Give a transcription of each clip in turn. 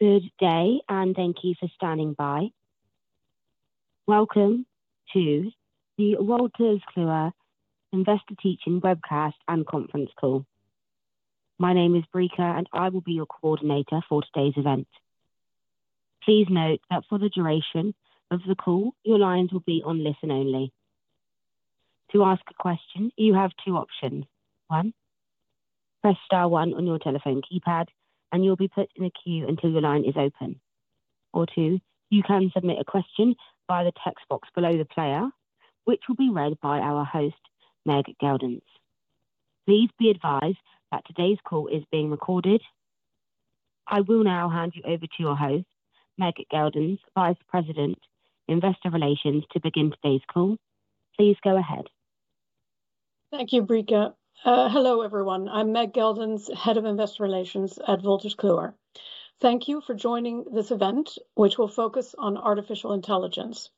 Good day, and thank you for standing by. Welcome to the Wolters Kluwer Investor Teaching webcast and conference call. My name is Brika, and I will be your coordinator for today's event. Please note that for the duration of the call, your lines will be on listen only. To ask a question, you have two options: one, press star one on your telephone keypad, and you'll be put in a queue until your line is open; or two, you can submit a question via the text box below the player, which will be read by our host, Meg Geldens. Please be advised that today's call is being recorded. I will now hand you over to your host, Meg Geldens, Vice President, Investor Relations, to begin today's call. Please go ahead. Thank you, Brika. Hello, everyone. I'm Meg Geldens, Head of Investor Relations at Wolters Kluwer. Thank you for joining this event, which will focus on artificial intelligence.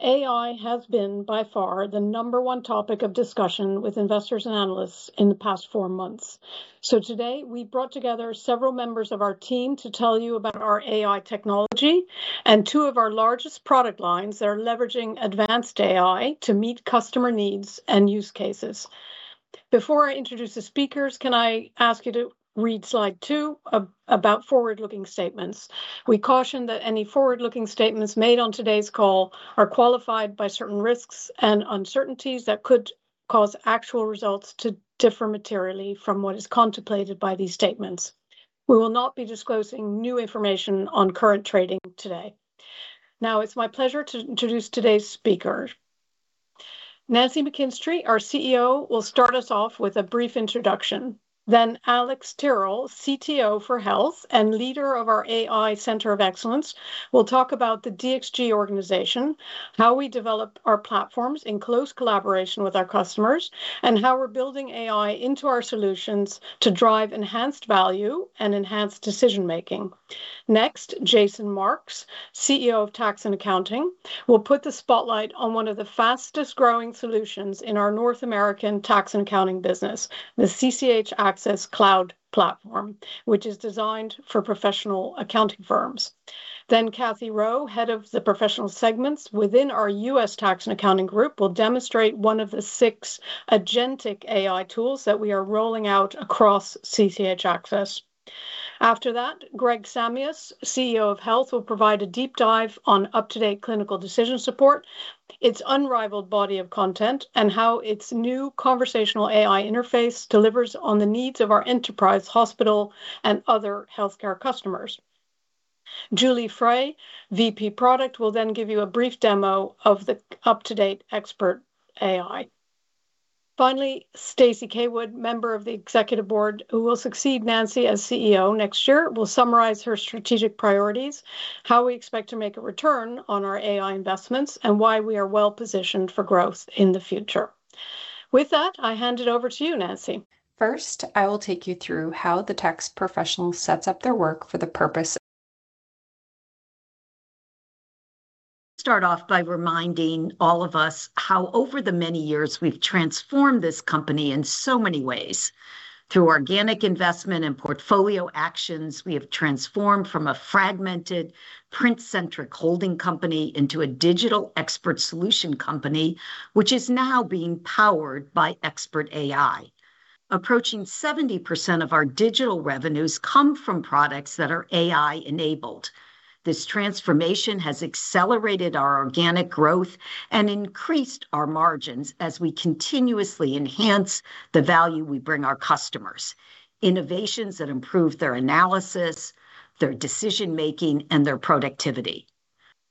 AI has been, by far, the number one topic of discussion with investors and analysts in the past four months. So today, we brought together several members of our team to tell you about our AI technology and two of our largest product lines that are leveraging advanced AI to meet customer needs and use cases. Before I introduce the speakers, can I ask you to read slide two about forward-looking statements? We caution that any forward-looking statements made on today's call are qualified by certain risks and uncertainties that could cause actual results to differ materially from what is contemplated by these statements. We will not be disclosing new information on current trading today. Now, it's my pleasure to introduce today's speakers. Nancy McKinstry, our CEO, will start us off with a brief introduction. Alex Tyrrell, CTO for Health and leader of our AI Center of Excellence, will talk about the DXG organization, how we develop our platforms in close collaboration with our customers, and how we're building AI into our solutions to drive enhanced value and enhanced decision-making. Next, Jason Marx, CEO of Tax and Accounting, will put the spotlight on one of the fastest-growing solutions in our North American tax and accounting business, the CCH Axcess Cloud Platform, which is designed for professional accounting firms. Then Cathy Rowe, head of the professional segments within our US tax and accounting group, will demonstrate one of the six agentic AI tools that we are rolling out across CCH Axcess. After that, Greg Samios, CEO of Health, will provide a deep dive on UpToDate clinical decision support, its unrivaled body of content, and how its new conversational AI interface delivers on the needs of our enterprise hospital and other healthcare Julie Frey, VP, Product, will then give you a brief demo of the UpToDate Expert AI. Finally, Stacey Caywood, member of the executive board who will succeed Nancy as CEO next year, will summarize her strategic priorities, how we expect to make a return on our AI investments, and why we are well-positioned for growth in the future. With that, I hand it over to you, Nancy. First, I will take you through how the tax professional sets up their work for the purpose. Start off by reminding all of us how, over the many years, we've transformed this company in so many ways. Through organic investment and portfolio actions, we have transformed from a fragmented, print-centric holding company into a digital expert solution company, which is now being powered by Expert AI. Approaching 70% of our digital revenues come from products that are AI-enabled. This transformation has accelerated our organic growth and increased our margins as we continuously enhance the value we bring our customers: innovations that improve their analysis, their decision-making, and their productivity.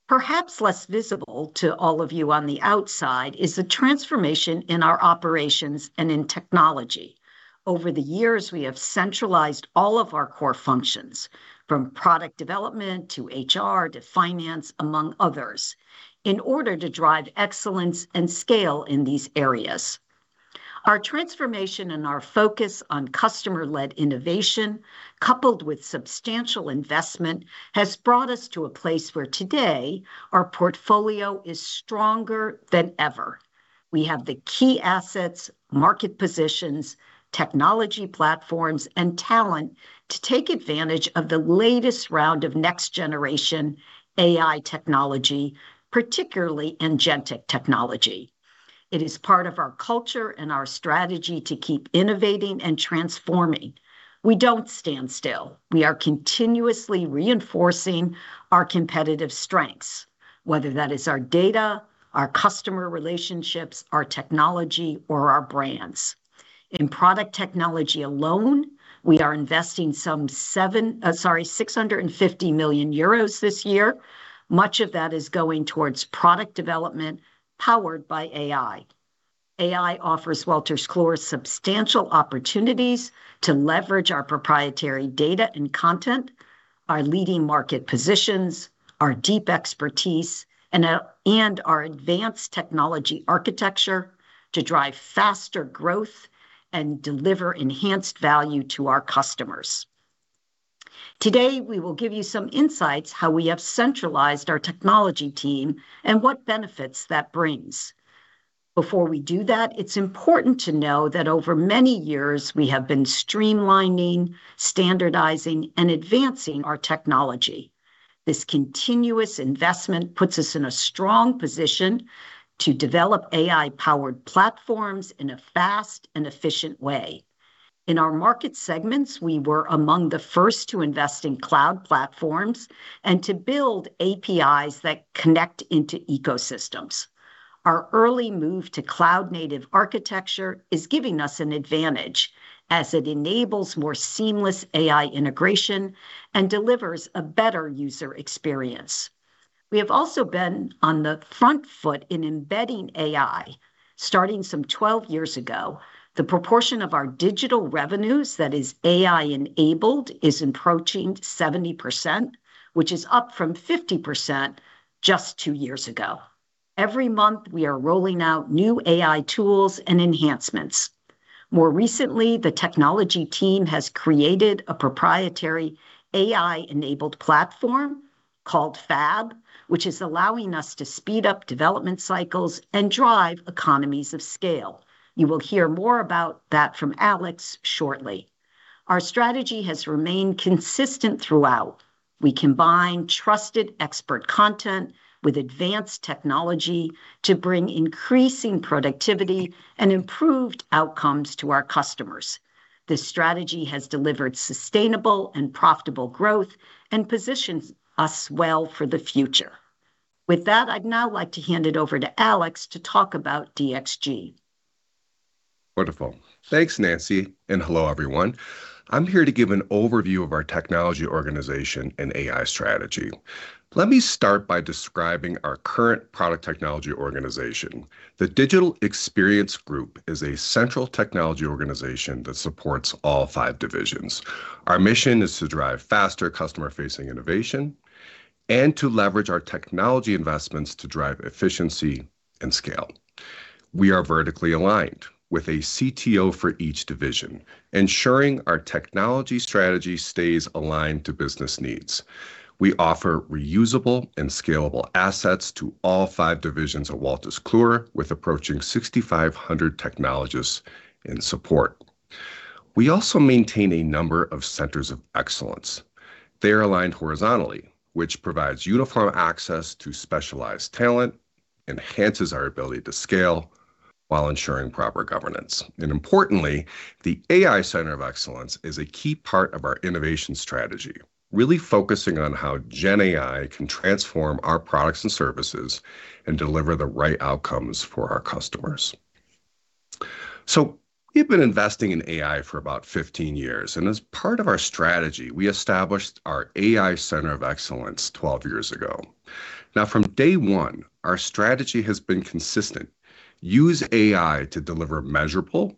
Perhaps less visible to all of you on the outside is the transformation in our operations and in technology. Over the years, we have centralized all of our core functions, from product development to HR to finance, among others, in order to drive excellence and scale in these areas. Our transformation and our focus on customer-led innovation, coupled with substantial investment, has brought us to a place where today our portfolio is stronger than ever. We have the key assets, market positions, technology platforms, and talent to take advantage of the latest round of next-generation AI technology, particularly agentic technology. It is part of our culture and our strategy to keep innovating and transforming. We don't stand still. We are continuously reinforcing our competitive strengths, whether that is our data, our customer relationships, our technology, or our brands. In product technology alone, we are investing some 7, sorry, 650 million euros this year. Much of that is going towards product development powered by AI. AI offers Wolters Kluwer substantial opportunities to leverage our proprietary data and content, our leading market positions, our deep expertise, and our advanced technology architecture to drive faster growth and deliver enhanced value to our customers. Today, we will give you some insights on how we have centralized our technology team and what benefits that brings. Before we do that, it's important to know that over many years, we have been streamlining, standardizing, and advancing our technology. This continuous investment puts us in a strong position to develop AI-powered platforms in a fast and efficient way. In our market segments, we were among the first to invest in cloud platforms and to build APIs that connect into ecosystems. Our early move to cloud-native architecture is giving us an advantage as it enables more seamless AI integration and delivers a better user experience. We have also been on the front foot in embedding AI. Starting some 12 years ago, the proportion of our digital revenues that is AI-enabled is approaching 70%, which is up from 50% just two years ago. Every month, we are rolling out new AI tools and enhancements. More recently, the technology team has created a proprietary AI-enabled platform called FAB, which is allowing us to speed up development cycles and drive economies of scale. You will hear more about that from Alex shortly. Our strategy has remained consistent throughout. We combine trusted expert content with advanced technology to bring increasing productivity and improved outcomes to our customers. This strategy has delivered sustainable and profitable growth and positions us well for the future. With that, I'd now like to hand it over to Alex to talk about DXG. Wonderful. Thanks, Nancy, and hello, everyone. I'm here to give an overview of our technology organization and AI strategy. Let me start by describing our current product technology organization. The Digital Experience Group is a central technology organization that supports all five divisions. Our mission is to drive faster customer-facing innovation and to leverage our technology investments to drive efficiency and scale. We are vertically aligned with a CTO for each division, ensuring our technology strategy stays aligned to business needs. We offer reusable and scalable assets to all five divisions of Wolters Kluwer, with approaching 6,500 technologists in support. We also maintain a number of centers of excellence. They are aligned horizontally, which provides uniform access to specialized talent, enhances our ability to scale while ensuring proper governance. Importantly, the AI Center of Excellence is a key part of our innovation strategy, really focusing on how GenAI can transform our products and services and deliver the right outcomes for our customers. We've been investing in AI for about 15 years. As part of our strategy, we established our AI Center of Excellence 12 years ago. Now, from day one, our strategy has been consistent: use AI to deliver measurable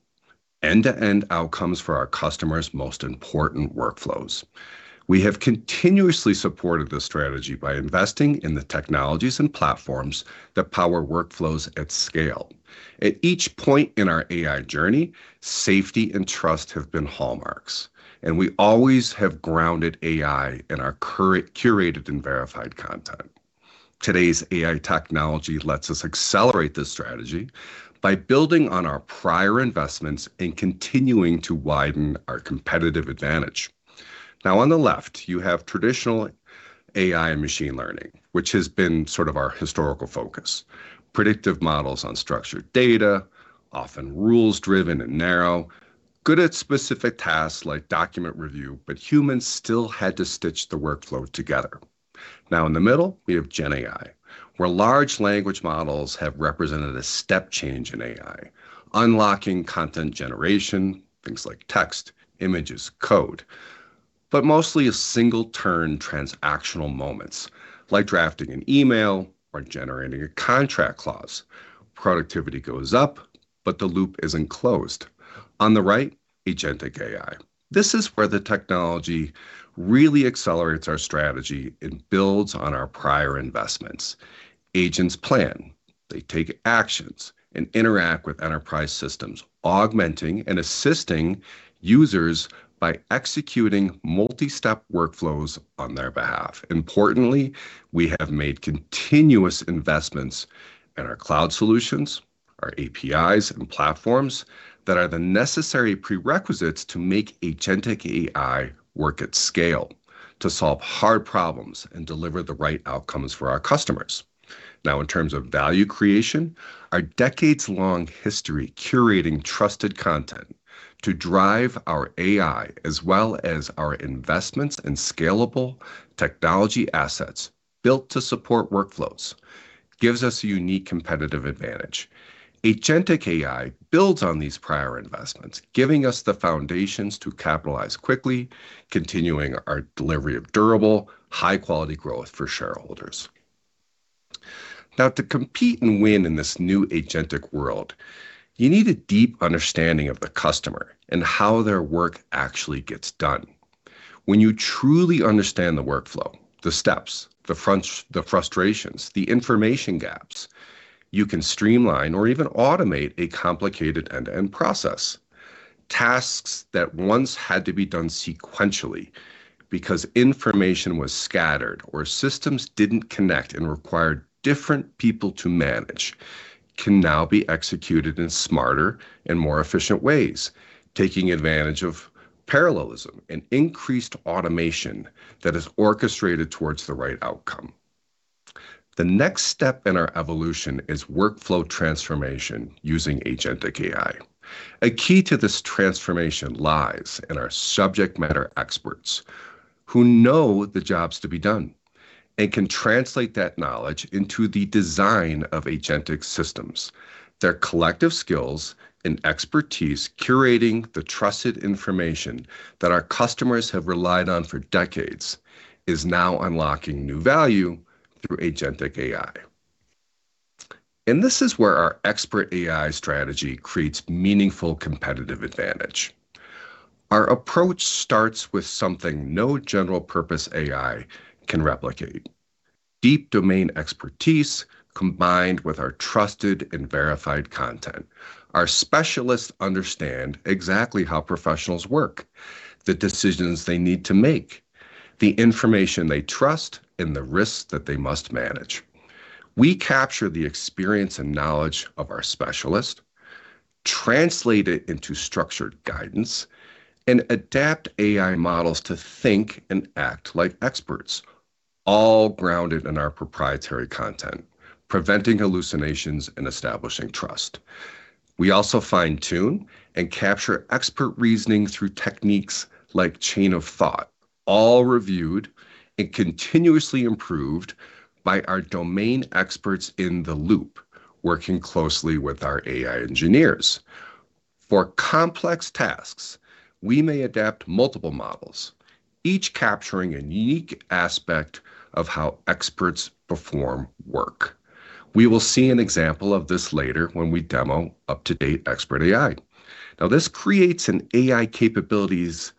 end-to-end outcomes for our customers' most important workflows. We have continuously supported this strategy by investing in the technologies and platforms that power workflows at scale. At each point in our AI journey, safety and trust have been hallmarks, and we always have grounded AI in our curated and verified content. Today's AI technology lets us accelerate this strategy by building on our prior investments and continuing to widen our competitive advantage. Now, on the left, you have traditional AI and machine learning, which has been sort of our historical focus: predictive models on structured data, often rules-driven and narrow, good at specific tasks like document review, but humans still had to stitch the workflow together. Now, in the middle, we have GenAI, where large language models have represented a step change in AI, unlocking content generation, things like text, images, code, but mostly a single-turn transactional moment, like drafting an email or generating a contract clause. Productivity goes up, but the loop isn't closed. On the right, agentic AI. This is where the technology really accelerates our strategy and builds on our prior investments. Agents plan. They take actions and interact with enterprise systems, augmenting and assisting users by executing multi-step workflows on their behalf. Importantly, we have made continuous investments in our cloud solutions, our APIs, and platforms that are the necessary prerequisites to make agentic AI work at scale, to solve hard problems and deliver the right outcomes for our customers. Now, in terms of value creation, our decades-long history curating trusted content to drive our AI, as well as our investments in scalable technology assets built to support workflows, gives us a unique competitive advantage. Agentic AI builds on these prior investments, giving us the foundations to capitalize quickly, continuing our delivery of durable, high-quality growth for shareholders. Now, to compete and win in this new agentic world, you need a deep understanding of the customer and how their work actually gets done. When you truly understand the workflow, the steps, the frustrations, the information gaps, you can streamline or even automate a complicated end-to-end process. Tasks that once had to be done sequentially because information was scattered or systems didn't connect and required different people to manage can now be executed in smarter and more efficient ways, taking advantage of parallelism and increased automation that is orchestrated towards the right outcome. The next step in our evolution is workflow transformation using agentic AI. A key to this transformation lies in our subject matter experts, who know the jobs to be done and can translate that knowledge into the design of agentic systems. Their collective skills and expertise curating the trusted information that our customers have relied on for decades is now unlocking new value through agentic AI, and this is where our Expert AI strategy creates meaningful competitive advantage. Our approach starts with something no general-purpose AI can replicate: deep domain expertise combined with our trusted and verified content. Our specialists understand exactly how professionals work, the decisions they need to make, the information they trust, and the risks that they must manage. We capture the experience and knowledge of our specialists, translate it into structured guidance, and adapt AI models to think and act like experts, all grounded in our proprietary content, preventing hallucinations and establishing trust. We also fine-tune and capture expert reasoning through techniques like chain of thought, all reviewed and continuously improved by our domain experts in the loop, working closely with our AI engineers. For complex tasks, we may adapt multiple models, each capturing a unique aspect of how experts perform work. We will see an example of this later when we demo UpToDate Expert AI. Now, this creates an AI capabilities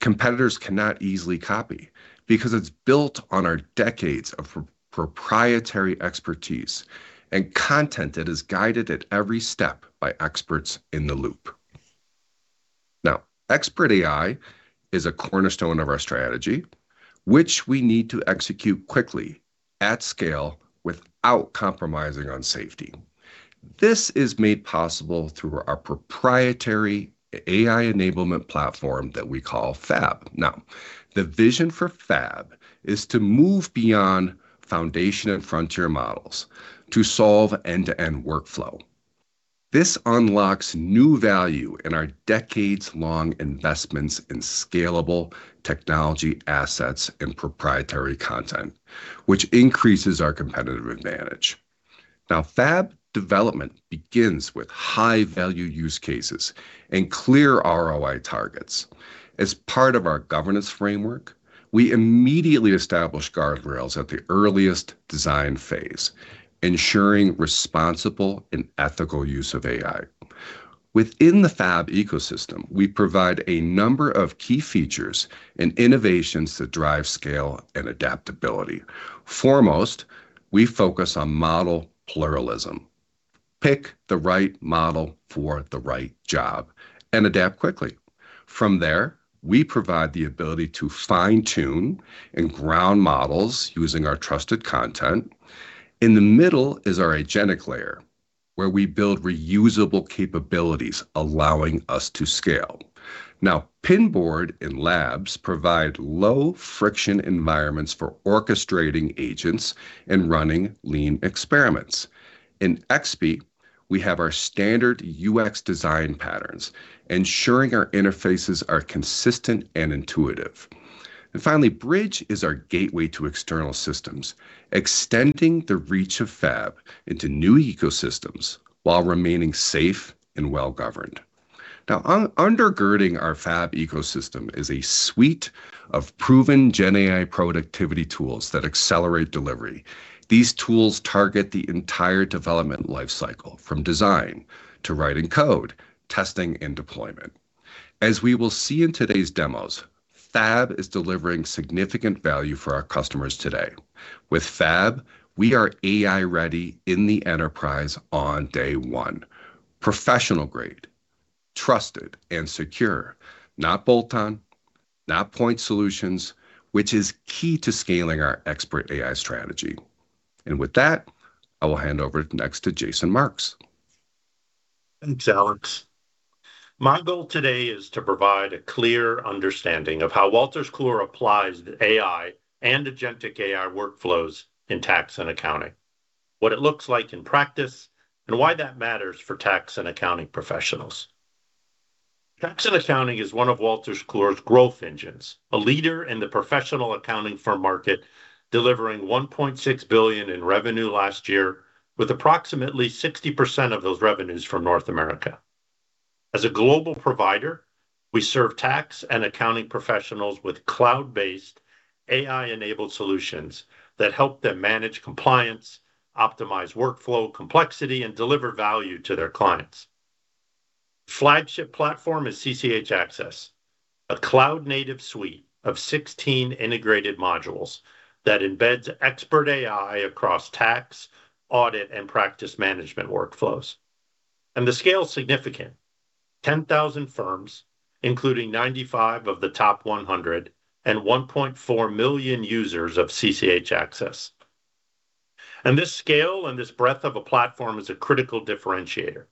competitors cannot easily copy because it's built on our decades of proprietary expertise and content that is guided at every step by experts in the loop. Now, Expert AI is a cornerstone of our strategy, which we need to execute quickly at scale without compromising on safety. This is made possible through our proprietary AI enablement platform that we call FAB. Now, the vision for FAB is to move beyond foundation and frontier models to solve end-to-end workflow. This unlocks new value in our decades-long investments in scalable technology assets and proprietary content, which increases our competitive advantage. Now, FAB development begins with high-value use cases and clear ROI targets. As part of our governance framework, we immediately establish guardrails at the earliest design phase, ensuring responsible and ethical use of AI. Within the FAB ecosystem, we provide a number of key features and innovations that drive scale and adaptability. Foremost, we focus on model pluralism: pick the right model for the right job and adapt quickly. From there, we provide the ability to fine-tune and ground models using our trusted content. In the middle is our agentic layer, where we build reusable capabilities, allowing us to scale. Now, Pinboard and Labs provide low-friction environments for orchestrating agents and running lean experiments. In XBit, we have our standard UX design patterns, ensuring our interfaces are consistent and intuitive. And finally, Bridge is our gateway to external systems, extending the reach of FAB into new ecosystems while remaining safe and well-governed. Now, undergirding our FAB ecosystem is a suite of proven GenAI productivity tools that accelerate delivery. These tools target the entire development lifecycle, from design to writing code, testing, and deployment. As we will see in today's demos, FAB is delivering significant value for our customers today. With FAB, we are AI-ready in the enterprise on day one: professional-grade, trusted, and secure, not bolt-on, not point solutions, which is key to scaling our Expert AI strategy, and with that, I will hand over next to Jason Marx. Thanks, Alex. My goal today is to provide a clear understanding of how Wolters Kluwer applies the AI and agentic AI workflows in tax and accounting, what it looks like in practice, and why that matters for tax and accounting professionals. Tax and accounting is one of Wolters Kluwer's growth engines, a leader in the professional accounting firm market, delivering $1.6 billion in revenue last year, with approximately 60% of those revenues from North America. As a global provider, we serve tax and accounting professionals with cloud-based AI-enabled solutions that help them manage compliance, optimize workflow complexity, and deliver value to their clients. The flagship platform is CCH Axcess, a cloud-native suite of 16 integrated modules that embeds Expert AI across tax, audit, and practice management workflows, and the scale is significant: 10,000 firms, including 95 of the top 100, and 1.4 million users of CCH Axcess. And this scale and this breadth of a platform is a critical differentiator.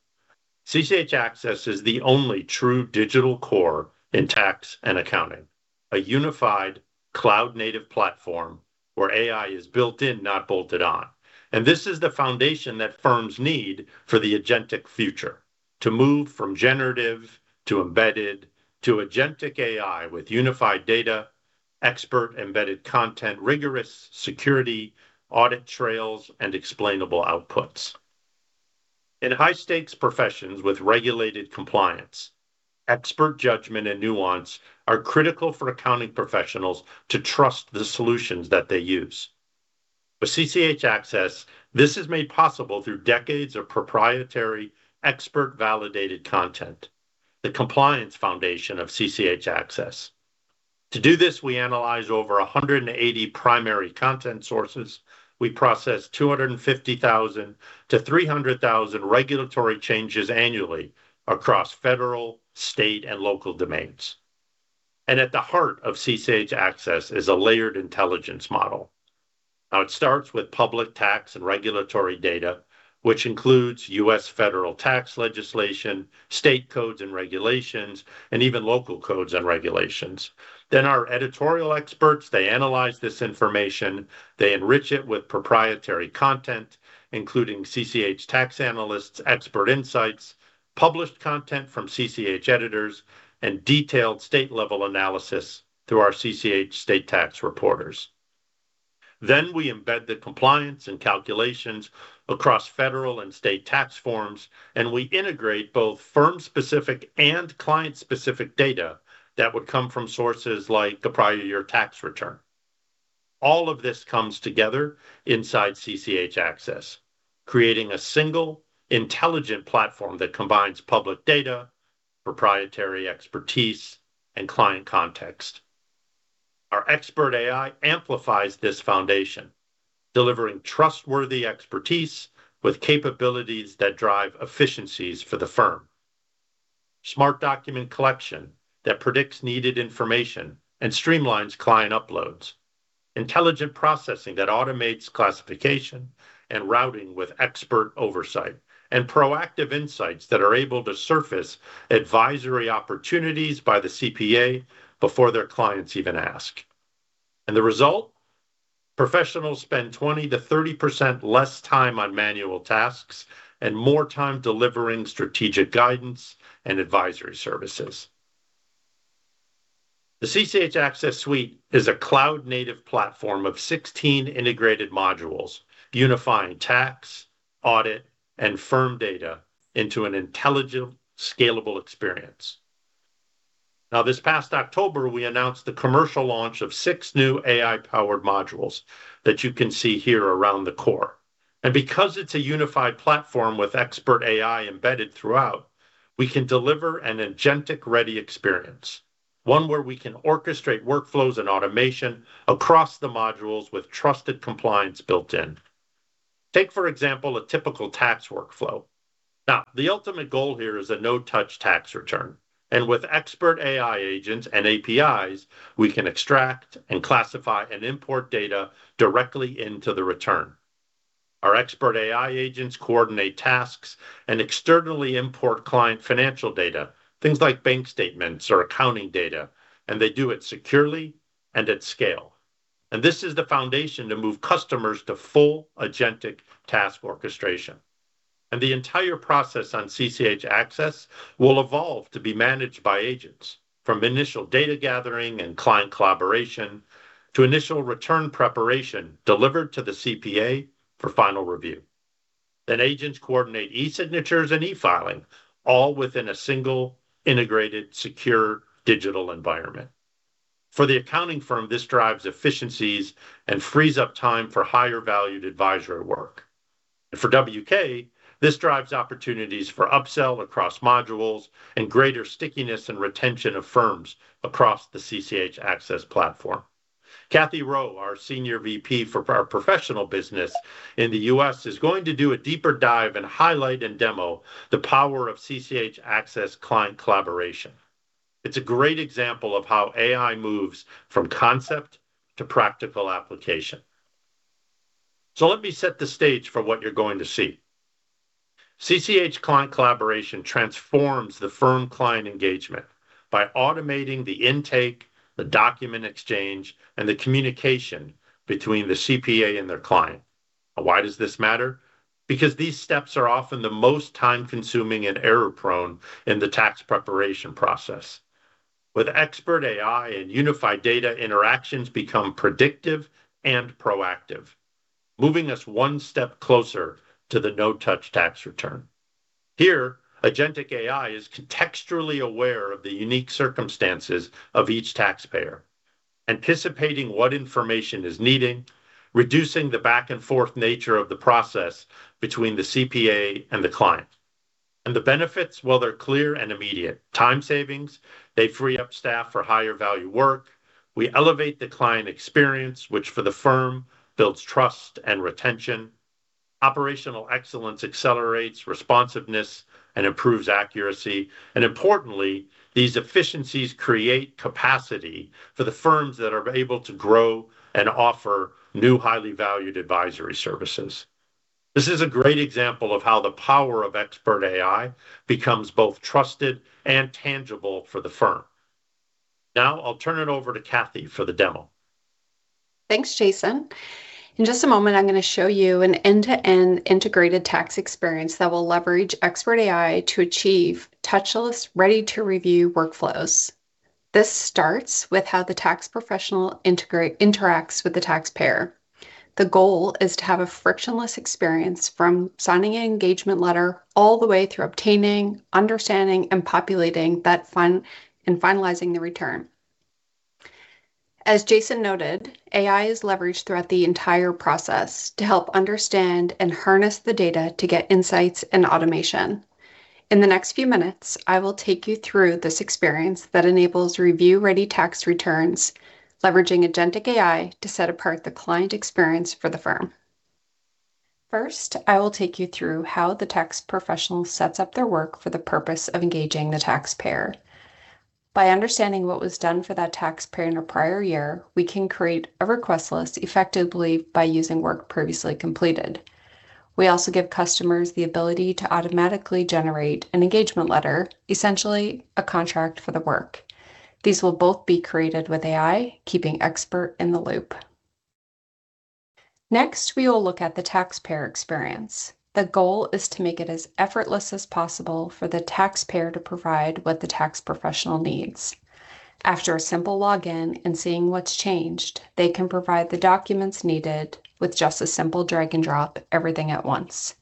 CCH Axcess is the only true digital core in tax and accounting: a unified cloud-native platform where AI is built in, not bolted on. And this is the foundation that firms need for the agentic future: to move from generative to embedded to agentic AI with unified data, expert embedded content, rigorous security, audit trails, and explainable outputs. In high-stakes professions with regulated compliance, expert judgment and nuance are critical for accounting professionals to trust the solutions that they use. With CCH Axcess, this is made possible through decades of proprietary expert-validated content, the compliance foundation of CCH Axcess. To do this, we analyze over 180 primary content sources. We process 250,000-300,000 regulatory changes annually across federal, state, and local domains. And at the heart of CCH Axcess is a layered intelligence model. Now, it starts with public tax and regulatory data, which includes U.S. federal tax legislation, state codes and regulations, and even local codes and regulations. Then our editorial experts, they analyze this information. They enrich it with proprietary content, including CCH Tax Analysts, expert insights, published content from CCH editors, and detailed state-level analysis through our CCH State Tax Reporters. Then we embed the compliance and calculations across federal and state tax forms, and we integrate both firm-specific and client-specific data that would come from sources like the prior year tax return. All of this comes together inside CCH Axcess, creating a single intelligent platform that combines public data, proprietary expertise, and client context. Our Expert AI amplifies this foundation, delivering trustworthy expertise with capabilities that drive efficiencies for the firm: smart document collection that predicts needed information and streamlines client uploads, intelligent processing that automates classification and routing with expert oversight, and proactive insights that are able to surface advisory opportunities by the CPA before their clients even ask. And the result? Professionals spend 20%-30% less time on manual tasks and more time delivering strategic guidance and advisory services. The CCH Axcess suite is a cloud-native platform of 16 integrated modules, unifying tax, audit, and firm data into an intelligent, scalable experience. Now, this past October, we announced the commercial launch of six new AI-powered modules that you can see here around the core. And because it's a unified platform with Expert AI embedded throughout, we can deliver an agentic-ready experience, one where we can orchestrate workflows and automation across the modules with trusted compliance built in. Take, for example, a typical tax workflow. Now, the ultimate goal here is a no-touch tax return. And with Expert AI agents and APIs, we can extract, classify, and import data directly into the return. Our Expert AI agents coordinate tasks and externally import client financial data, things like bank statements or accounting data, and they do it securely and at scale. And this is the foundation to move customers to full agentic task orchestration. And the entire process on CCH Axcess will evolve to be managed by agents, from initial data gathering and Client Collaboration to initial return preparation delivered to the CPA for final review. Then agents coordinate e-signatures and e-filing, all within a single integrated, secure digital environment. For the accounting firm, this drives efficiencies and frees up time for higher-valued advisory work. And for WK, this drives opportunities for upsell across modules and greater stickiness and retention of firms across the CCH Axcess platform. Cathy Rowe, our Senior VP for our professional business in the U.S., is going to do a deeper dive and highlight and demo the power of CCH Axcess Client Collaboration. It's a great example of how AI moves from concept to practical application. So let me set the stage for what you're going to see. CCH Client Collaboration transforms the firm-client engagement by automating the intake, the document exchange, and the communication between the CPA and their client. Why does this matter? Because these steps are often the most time-consuming and error-prone in the tax preparation process. With Expert AI and unified data, interactions become predictive and proactive, moving us one step closer to the no-touch tax return. Here, agentic AI is contextually aware of the unique circumstances of each taxpayer, anticipating what information is needed, reducing the back-and-forth nature of the process between the CPA and the client. And the benefits? Well, they're clear and immediate: time savings. They free up staff for higher-value work. We elevate the client experience, which for the firm builds trust and retention. Operational excellence accelerates responsiveness and improves accuracy. And importantly, these efficiencies create capacity for the firms that are able to grow and offer new, highly valued advisory services. This is a great example of how the power of Expert AI becomes both trusted and tangible for the firm. Now, I'll turn it over to Cathy for the demo. Thanks, Jason. In just a moment, I'm going to show you an end-to-end integrated tax experience that will leverage Expert AI to achieve touchless, ready-to-review workflows. This starts with how the tax professional interacts with the taxpayer. The goal is to have a frictionless experience from signing an engagement letter all the way through obtaining, understanding, and populating that and finalizing the return. As Jason noted, AI is leveraged throughout the entire process to help understand and harness the data to get insights and automation. In the next few minutes, I will take you through this experience that enables review-ready tax returns, leveraging agentic AI to set apart the client experience for the firm. First, I will take you through how the tax professional sets up their work for the purpose of engaging the taxpayer. By understanding what was done for that taxpayer in a prior year, we can create a request list effectively by using work previously completed. We also give customers the ability to automatically generate an engagement letter, essentially a contract for the work. These will both be created with AI, keeping expert in the loop. Next, we will look at the taxpayer experience. The goal is to make it as effortless as possible for the taxpayer to provide what the tax professional needs. After a simple login and seeing what's changed, they can provide the documents needed with just a simple drag-and-drop everything at once.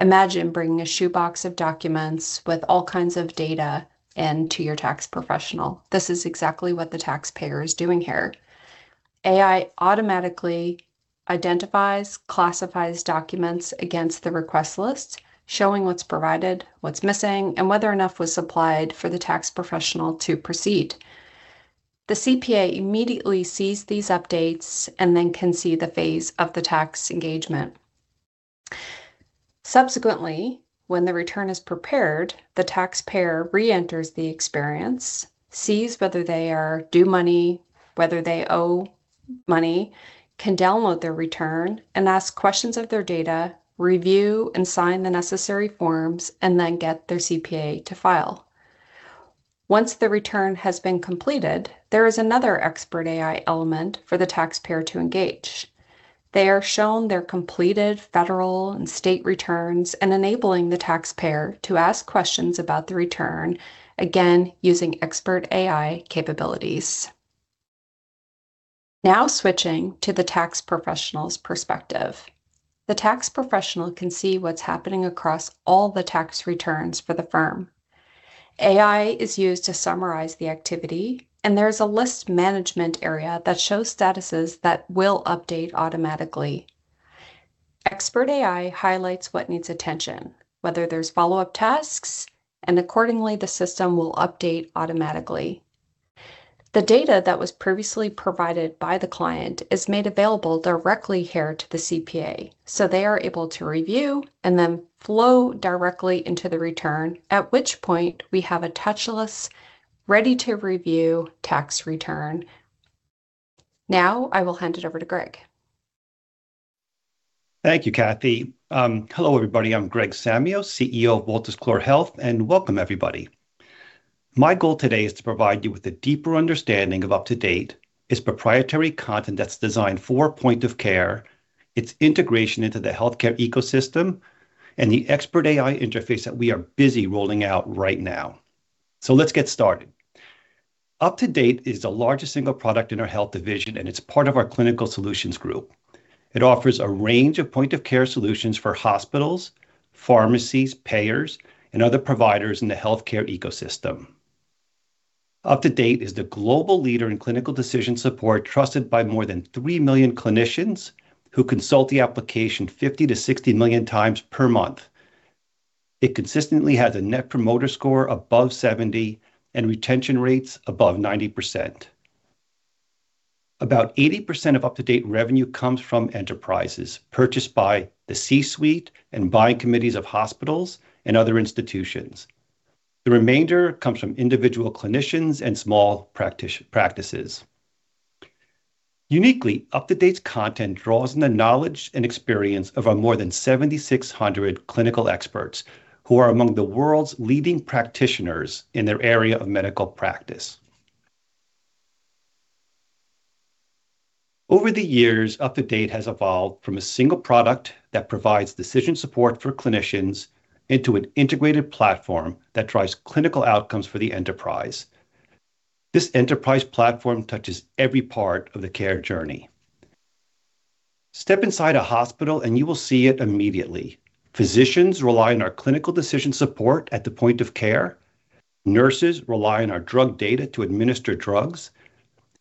Imagine bringing a shoebox of documents with all kinds of data into your tax professional. This is exactly what the taxpayer is doing here. AI automatically identifies, classifies documents against the request list, showing what's provided, what's missing, and whether enough was supplied for the tax professional to proceed. The CPA immediately sees these updates and then can see the phase of the tax engagement. Subsequently, when the return is prepared, the taxpayer reenters the experience, sees whether they are due money, whether they owe money, can download their return, and ask questions of their data, review and sign the necessary forms, and then get their CPA to file. Once the return has been completed, there is another Expert AI element for the taxpayer to engage. They are shown their completed federal and state returns, enabling the taxpayer to ask questions about the return, again using Expert AI capabilities. Now, switching to the tax professional's perspective, the tax professional can see what's happening across all the tax returns for the firm. AI is used to summarize the activity, and there is a list management area that shows statuses that will update automatically. Expert AI highlights what needs attention, whether there's follow-up tasks, and accordingly, the system will update automatically. The data that was previously provided by the client is made available directly here to the CPA, so they are able to review and then flow directly into the return, at which point we have a touchless, ready-to-review tax return. Now, I will hand it over to Greg. Thank you, Cathy. Hello, everybody. I'm Greg Samios, CEO of Wolters Kluwer Health, and welcome, everybody. My goal today is to provide you with a deeper understanding of UpToDate, its proprietary content that's designed for point of care, its integration into the healthcare ecosystem, and the Expert AI interface that we are busy rolling out right now. So let's get started. UpToDate is the largest single product in our health division, and it's part of our Clinical Solutions group. It offers a range of point-of-care solutions for hospitals, pharmacies, payers, and other providers in the healthcare ecosystem. UpToDate is the global leader in clinical decision support, trusted by more than 3 million clinicians who consult the application 50-60 million times per month. It consistently has a Net Promoter Score above 70 and retention rates above 90%. About 80% of UpToDate revenue comes from enterprises purchased by the C-suite and buying committees of hospitals and other institutions. The remainder comes from individual clinicians and small practices. Uniquely, UpToDate's content draws on the knowledge and experience of our more than 7,600 clinical experts who are among the world's leading practitioners in their area of medical practice. Over the years, UpToDate has evolved from a single product that provides decision support for clinicians into an integrated platform that drives clinical outcomes for the enterprise. This enterprise platform touches every part of the care journey. Step inside a hospital and you will see it immediately. Physicians rely on our clinical decision support at the point of care. Nurses rely on our drug data to administer drugs.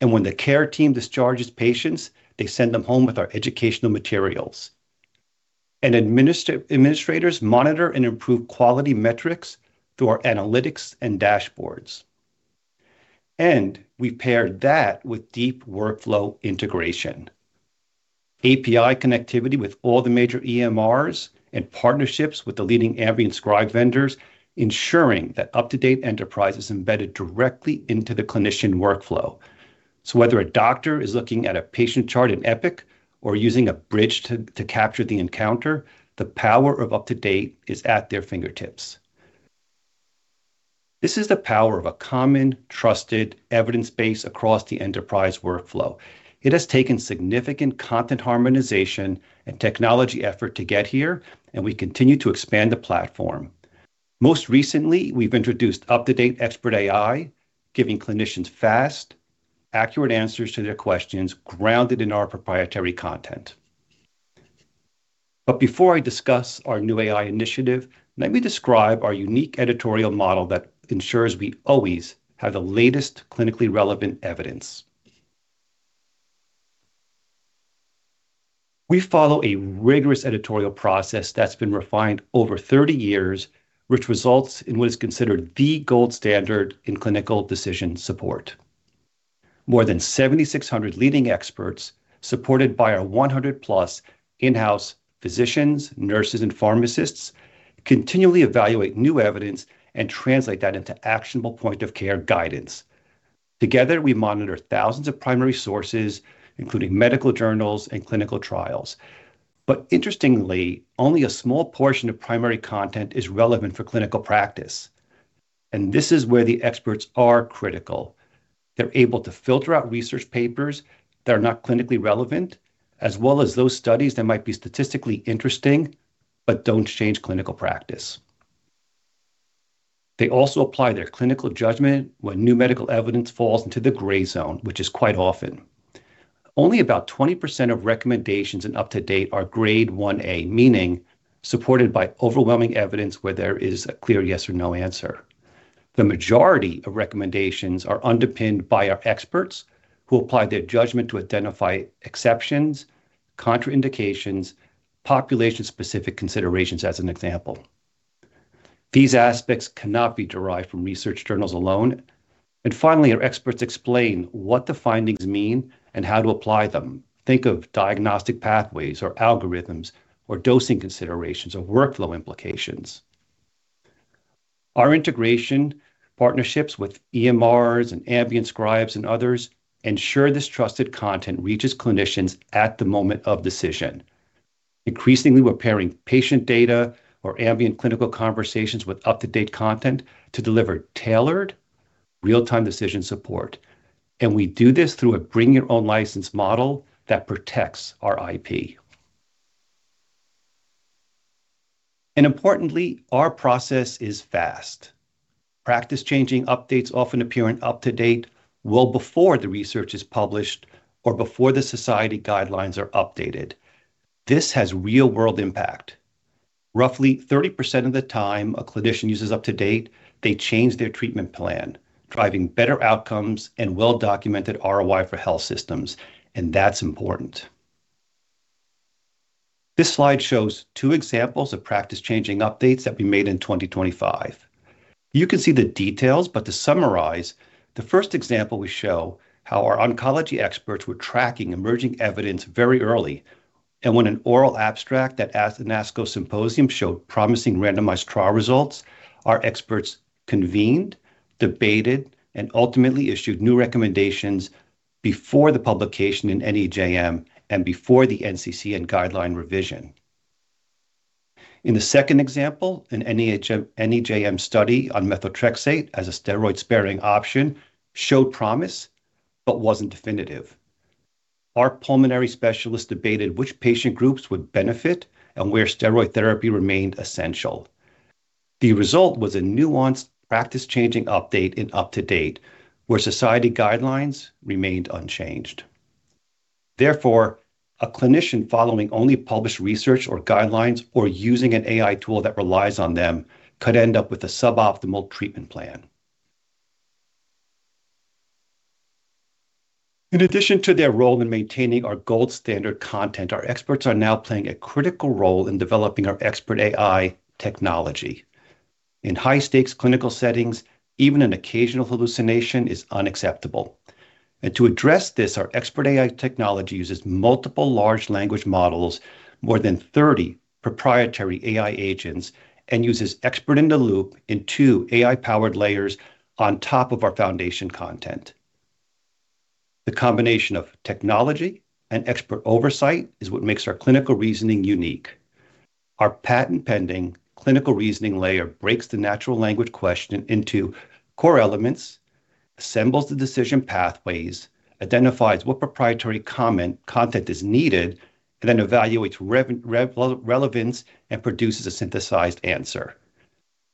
And when the care team discharges patients, they send them home with our educational materials. Administrators monitor and improve quality metrics through our analytics and dashboards. We pair that with deep workflow integration, API connectivity with all the major EMRs, and partnerships with the leading ambient scribe vendors, ensuring that UpToDate Enterprise is embedded directly into the clinician workflow. So whether a doctor is looking at a patient chart in Epic or using Abridge to capture the encounter, the power of UpToDate is at their fingertips. This is the power of a common, trusted evidence base across the enterprise workflow. It has taken significant content harmonization and technology effort to get here, and we continue to expand the platform. Most recently, we've introduced UpToDate Expert AI, giving clinicians fast, accurate answers to their questions grounded in our proprietary content. But before I discuss our new AI initiative, let me describe our unique editorial model that ensures we always have the latest clinically relevant evidence. We follow a rigorous editorial process that's been refined over 30 years, which results in what is considered the gold standard in clinical decision support. More than 7,600 leading experts, supported by our 100-plus in-house physicians, nurses, and pharmacists, continually evaluate new evidence and translate that into actionable point-of-care guidance. Together, we monitor thousands of primary sources, including medical journals and clinical trials. But interestingly, only a small portion of primary content is relevant for clinical practice. And this is where the experts are critical. They're able to filter out research papers that are not clinically relevant, as well as those studies that might be statistically interesting but don't change clinical practice. They also apply their clinical judgment when new medical evidence falls into the gray zone, which is quite often. Only about 20% of recommendations in UpToDate are Grade 1A, meaning supported by overwhelming evidence where there is a clear yes or no answer. The majority of recommendations are underpinned by our experts who apply their judgment to identify exceptions, contraindications, population-specific considerations, as an example. These aspects cannot be derived from research journals alone, and finally, our experts explain what the findings mean and how to apply them. Think of diagnostic pathways or algorithms or dosing considerations or workflow implications. Our integration partnerships with EMRs and ambient scribes and others ensure this trusted content reaches clinicians at the moment of decision. Increasingly, we're pairing patient data or ambient clinical conversations with UpToDate content to deliver tailored, real-time decision support. And we do this through a bring-your-own-license model that protects our IP. And importantly, our process is fast. Practice-changing updates often appear in UpToDate well before the research is published or before the society guidelines are updated. This has real-world impact. Roughly 30% of the time a clinician uses UpToDate, they change their treatment plan, driving better outcomes and well-documented ROI for health systems. And that's important. This slide shows two examples of practice-changing updates that we made in 2025. You can see the details, but to summarize, the first example we show how our oncology experts were tracking emerging evidence very early. And when an oral abstract at the ASCO Symposium showed promising randomized trial results, our experts convened, debated, and ultimately issued new recommendations before the publication in NEJM and before the NCCN guideline revision. In the second example, an NEJM study on methotrexate as a steroid-sparing option showed promise but wasn't definitive. Our pulmonary specialists debated which patient groups would benefit and where steroid therapy remained essential. The result was a nuanced practice-changing update in UpToDate, where society guidelines remained unchanged. Therefore, a clinician following only published research or guidelines or using an AI tool that relies on them could end up with a suboptimal treatment plan. In addition to their role in maintaining our gold standard content, our experts are now playing a critical role in developing our Expert AI technology. In high-stakes clinical settings, even an occasional hallucination is unacceptable, and to address this, our Expert AI technology uses multiple large language models, more than 30 proprietary AI agents, and uses expert-in-the-loop in two AI-powered layers on top of our foundation content. The combination of technology and expert oversight is what makes our clinical reasoning unique. Our patent-pending clinical reasoning layer breaks the natural language question into core elements, assembles the decision pathways, identifies what proprietary content is needed, and then evaluates relevance and produces a synthesized answer.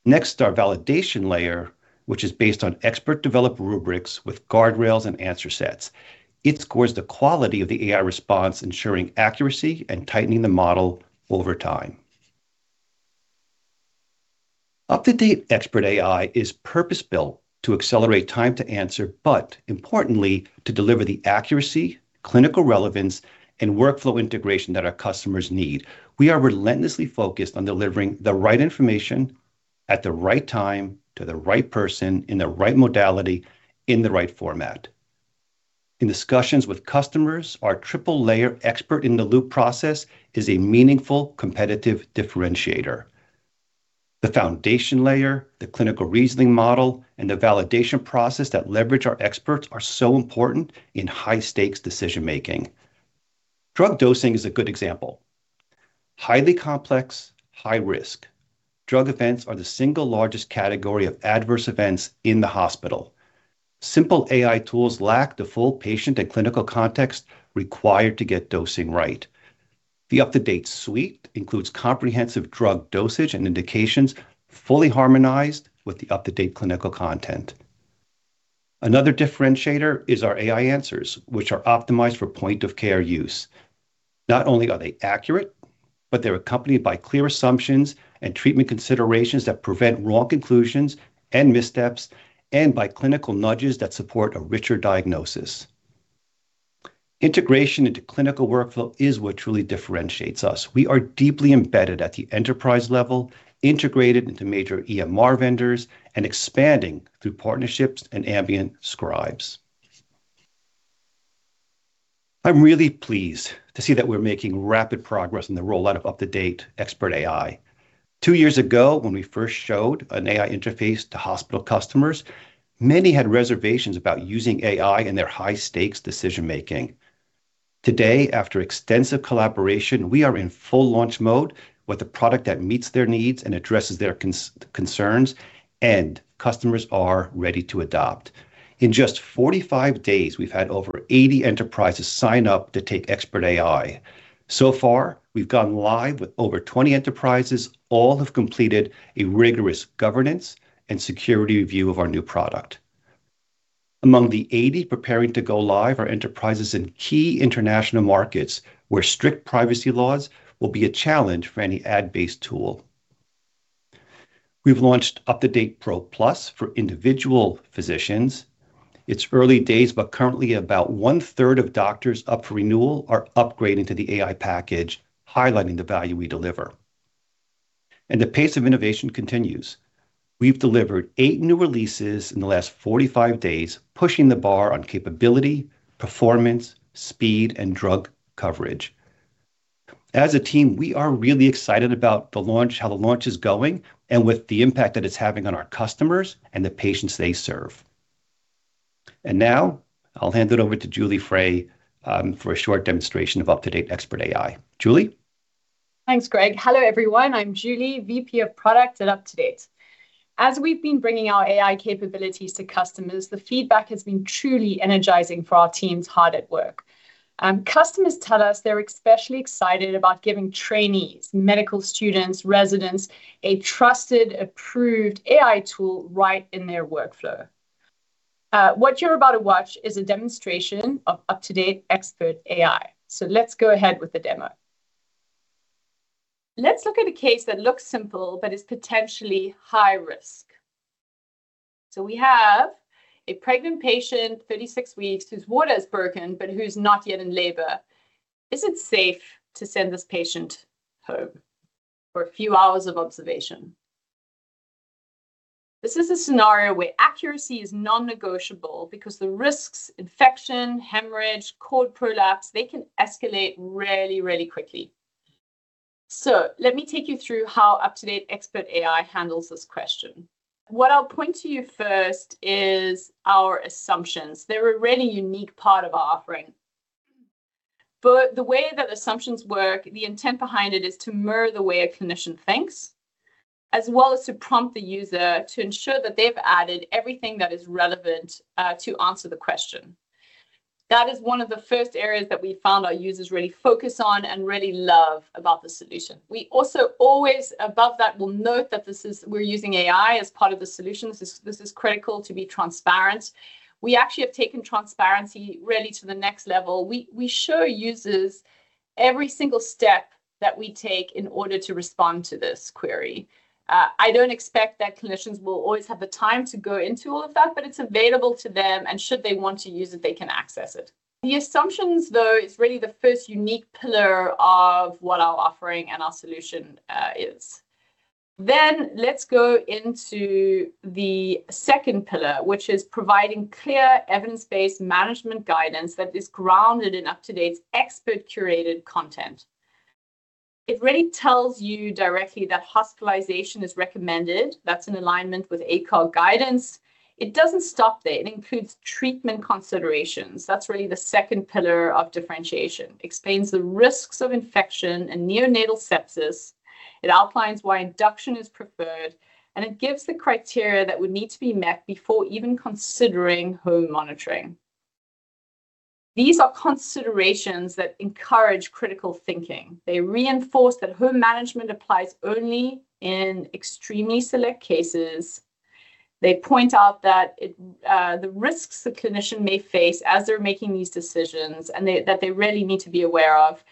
Next, our validation layer, which is based on expert-developed rubrics with guardrails and answer sets, scores the quality of the AI response, ensuring accuracy and tightening the model over time. UpToDate Expert AI is purpose-built to accelerate time to answer, but importantly, to deliver the accuracy, clinical relevance, and workflow integration that our customers need. We are relentlessly focused on delivering the right information at the right time to the right person in the right modality in the right format. In discussions with customers, our triple-layer expert-in-the-loop process is a meaningful competitive differentiator. The foundation layer, the clinical reasoning model, and the validation process that leverage our experts are so important in high-stakes decision-making. Drug dosing is a good example. Highly complex, high-risk drug events are the single largest category of adverse events in the hospital. Simple AI tools lack the full patient and clinical context required to get dosing right. The UpToDate suite includes comprehensive drug dosage and indications fully harmonized with the UpToDate clinical content. Another differentiator is our AI answers, which are optimized for point-of-care use. Not only are they accurate, but they're accompanied by clear assumptions and treatment considerations that prevent wrong conclusions and missteps, and by clinical nudges that support a richer diagnosis. Integration into clinical workflow is what truly differentiates us. We are deeply embedded at the enterprise level, integrated into major EMR vendors, and expanding through partnerships and ambient scribes. I'm really pleased to see that we're making rapid progress in the rollout of UpToDate Expert AI. Two years ago, when we first showed an AI interface to hospital customers, many had reservations about using AI in their high-stakes decision-making. Today, after extensive collaboration, we are in full launch mode with a product that meets their needs and addresses their concerns, and customers are ready to adopt. In just 45 days, we've had over 80 enterprises sign up to take Expert AI. So far, we've gone live with over 20 enterprises. All have completed a rigorous governance and security review of our new product. Among the 80 preparing to go live, our enterprises in key international markets where strict privacy laws will be a challenge for any ad-based tool. We've launched UpToDate Pro Plus for individual physicians. It's early days, but currently, about one-third of doctors up for renewal are upgrading to the AI package, highlighting the value we deliver, and the pace of innovation continues. We've delivered eight new releases in the last 45 days, pushing the bar on capability, performance, speed, and drug coverage. As a team, we are really excited about the launch, how the launch is going, and with the impact that it's having on our customers and the patients they serve, and now, I'll hand it over Julie Frey for a short demonstration of UpToDate Expert AI. Julie? Thanks, Greg. Hello, everyone. I'm Julie, VP of Product at UpToDate. As we've been bringing our AI capabilities to customers, the feedback has been truly energizing for our team that's hard at work. Customers tell us they're especially excited about giving trainees, medical students, residents a trusted, approved AI tool right in their workflow. What you're about to watch is a demonstration of UpToDate Expert AI. So let's go ahead with the demo. Let's look at a case that looks simple but is potentially high risk. So we have a pregnant patient, 36 weeks, whose water has broken, but who's not yet in labor. Is it safe to send this patient home for a few hours of observation? This is a scenario where accuracy is non-negotiable because the risks - infection, hemorrhage, cord prolapse - they can escalate really, really quickly. So let me take you through how UpToDate Expert AI handles this question. What I'll point to you first is our assumptions. They're a really unique part of our offering. But the way that assumptions work, the intent behind it is to mirror the way a clinician thinks, as well as to prompt the user to ensure that they've added everything that is relevant to answer the question. That is one of the first areas that we found our users really focus on and really love about the solution. We also always, above that, will note that this is, we're using AI as part of the solution. This is critical to be transparent. We actually have taken transparency really to the next level. We show users every single step that we take in order to respond to this query. I don't expect that clinicians will always have the time to go into all of that, but it's available to them, and should they want to use it, they can access it. The assumptions, though, is really the first unique pillar of what our offering and our solution is. Then let's go into the second pillar, which is providing clear evidence-based management guidance that is grounded in UpToDate's expert-curated content. It really tells you directly that hospitalization is recommended. That's in alignment with ACOG guidance. It doesn't stop there. It includes treatment considerations. That's really the second pillar of differentiation. It explains the risks of infection and neonatal sepsis. It outlines why induction is preferred, and it gives the criteria that would need to be met before even considering home monitoring. These are considerations that encourage critical thinking. They reinforce that home management applies only in extremely select cases. They point out that the risks a clinician may face as they're making these decisions and that they really need to be aware of.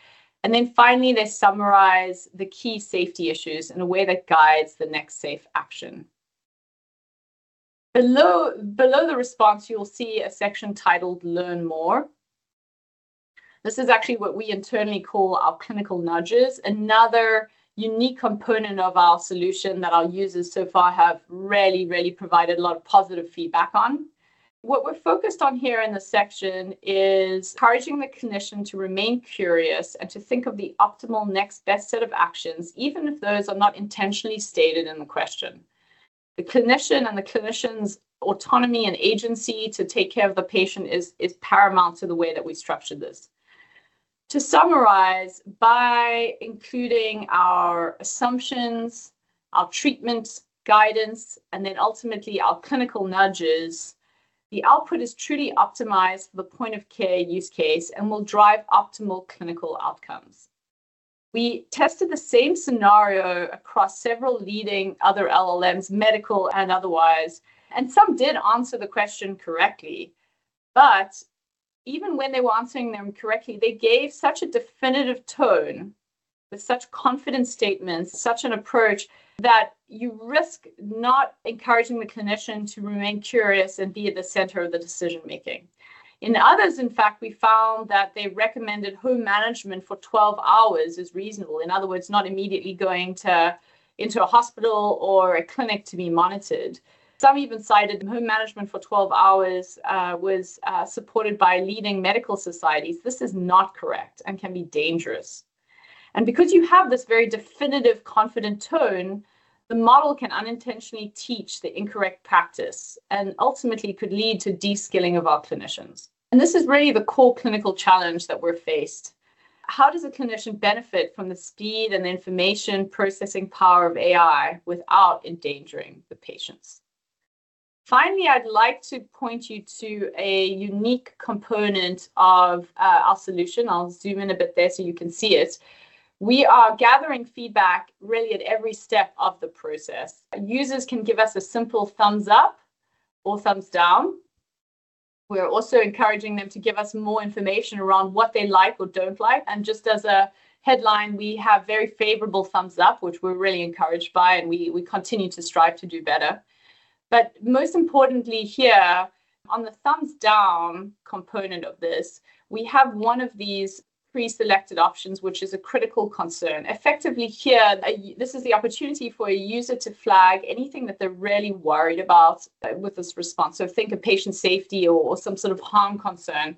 And then finally, they summarize the key safety issues in a way that guides the next safe action. Below the response, you'll see a section titled "Learn More." This is actually what we internally call our clinical nudges, another unique component of our solution that our users so far have really, really provided a lot of positive feedback on. What we're focused on here in this section is encouraging the clinician to remain curious and to think of the optimal next best set of actions, even if those are not intentionally stated in the question. The clinician and the clinician's autonomy and agency to take care of the patient is paramount to the way that we structure this. To summarize, by including our assumptions, our treatment guidance, and then ultimately our clinical nudges, the output is truly optimized for the point-of care use case and will drive optimal clinical outcomes. We tested the same scenario across several leading other LLMs, medical and otherwise, and some did answer the question correctly. But even when they were answering them correctly, they gave such a definitive tone with such confident statements, such an approach that you risk not encouraging the clinician to remain curious and be at the center of the decision-making. In others, in fact, we found that they recommended home management for 12 hours is reasonable. In other words, not immediately going into a hospital or a clinic to be monitored. Some even cited home management for 12 hours was supported by leading medical societies. This is not correct and can be dangerous. And because you have this very definitive, confident tone, the model can unintentionally teach the incorrect practice and ultimately could lead to deskilling of our clinicians. And this is really the core clinical challenge that we're faced. How does a clinician benefit from the speed and the information processing power of AI without endangering the patients? Finally, I'd like to point you to a unique component of our solution. I'll zoom in a bit there so you can see it. We are gathering feedback really at every step of the process. Users can give us a simple thumbs up or thumbs down. We're also encouraging them to give us more information around what they like or don't like. And just as a headline, we have very favorable thumbs up, which we're really encouraged by, and we continue to strive to do better. But most importantly here, on the thumbs down component of this, we have one of these pre-selected options, which is a critical concern. Effectively here, this is the opportunity for a user to flag anything that they're really worried about with this response. So think of patient safety or some sort of harm concern.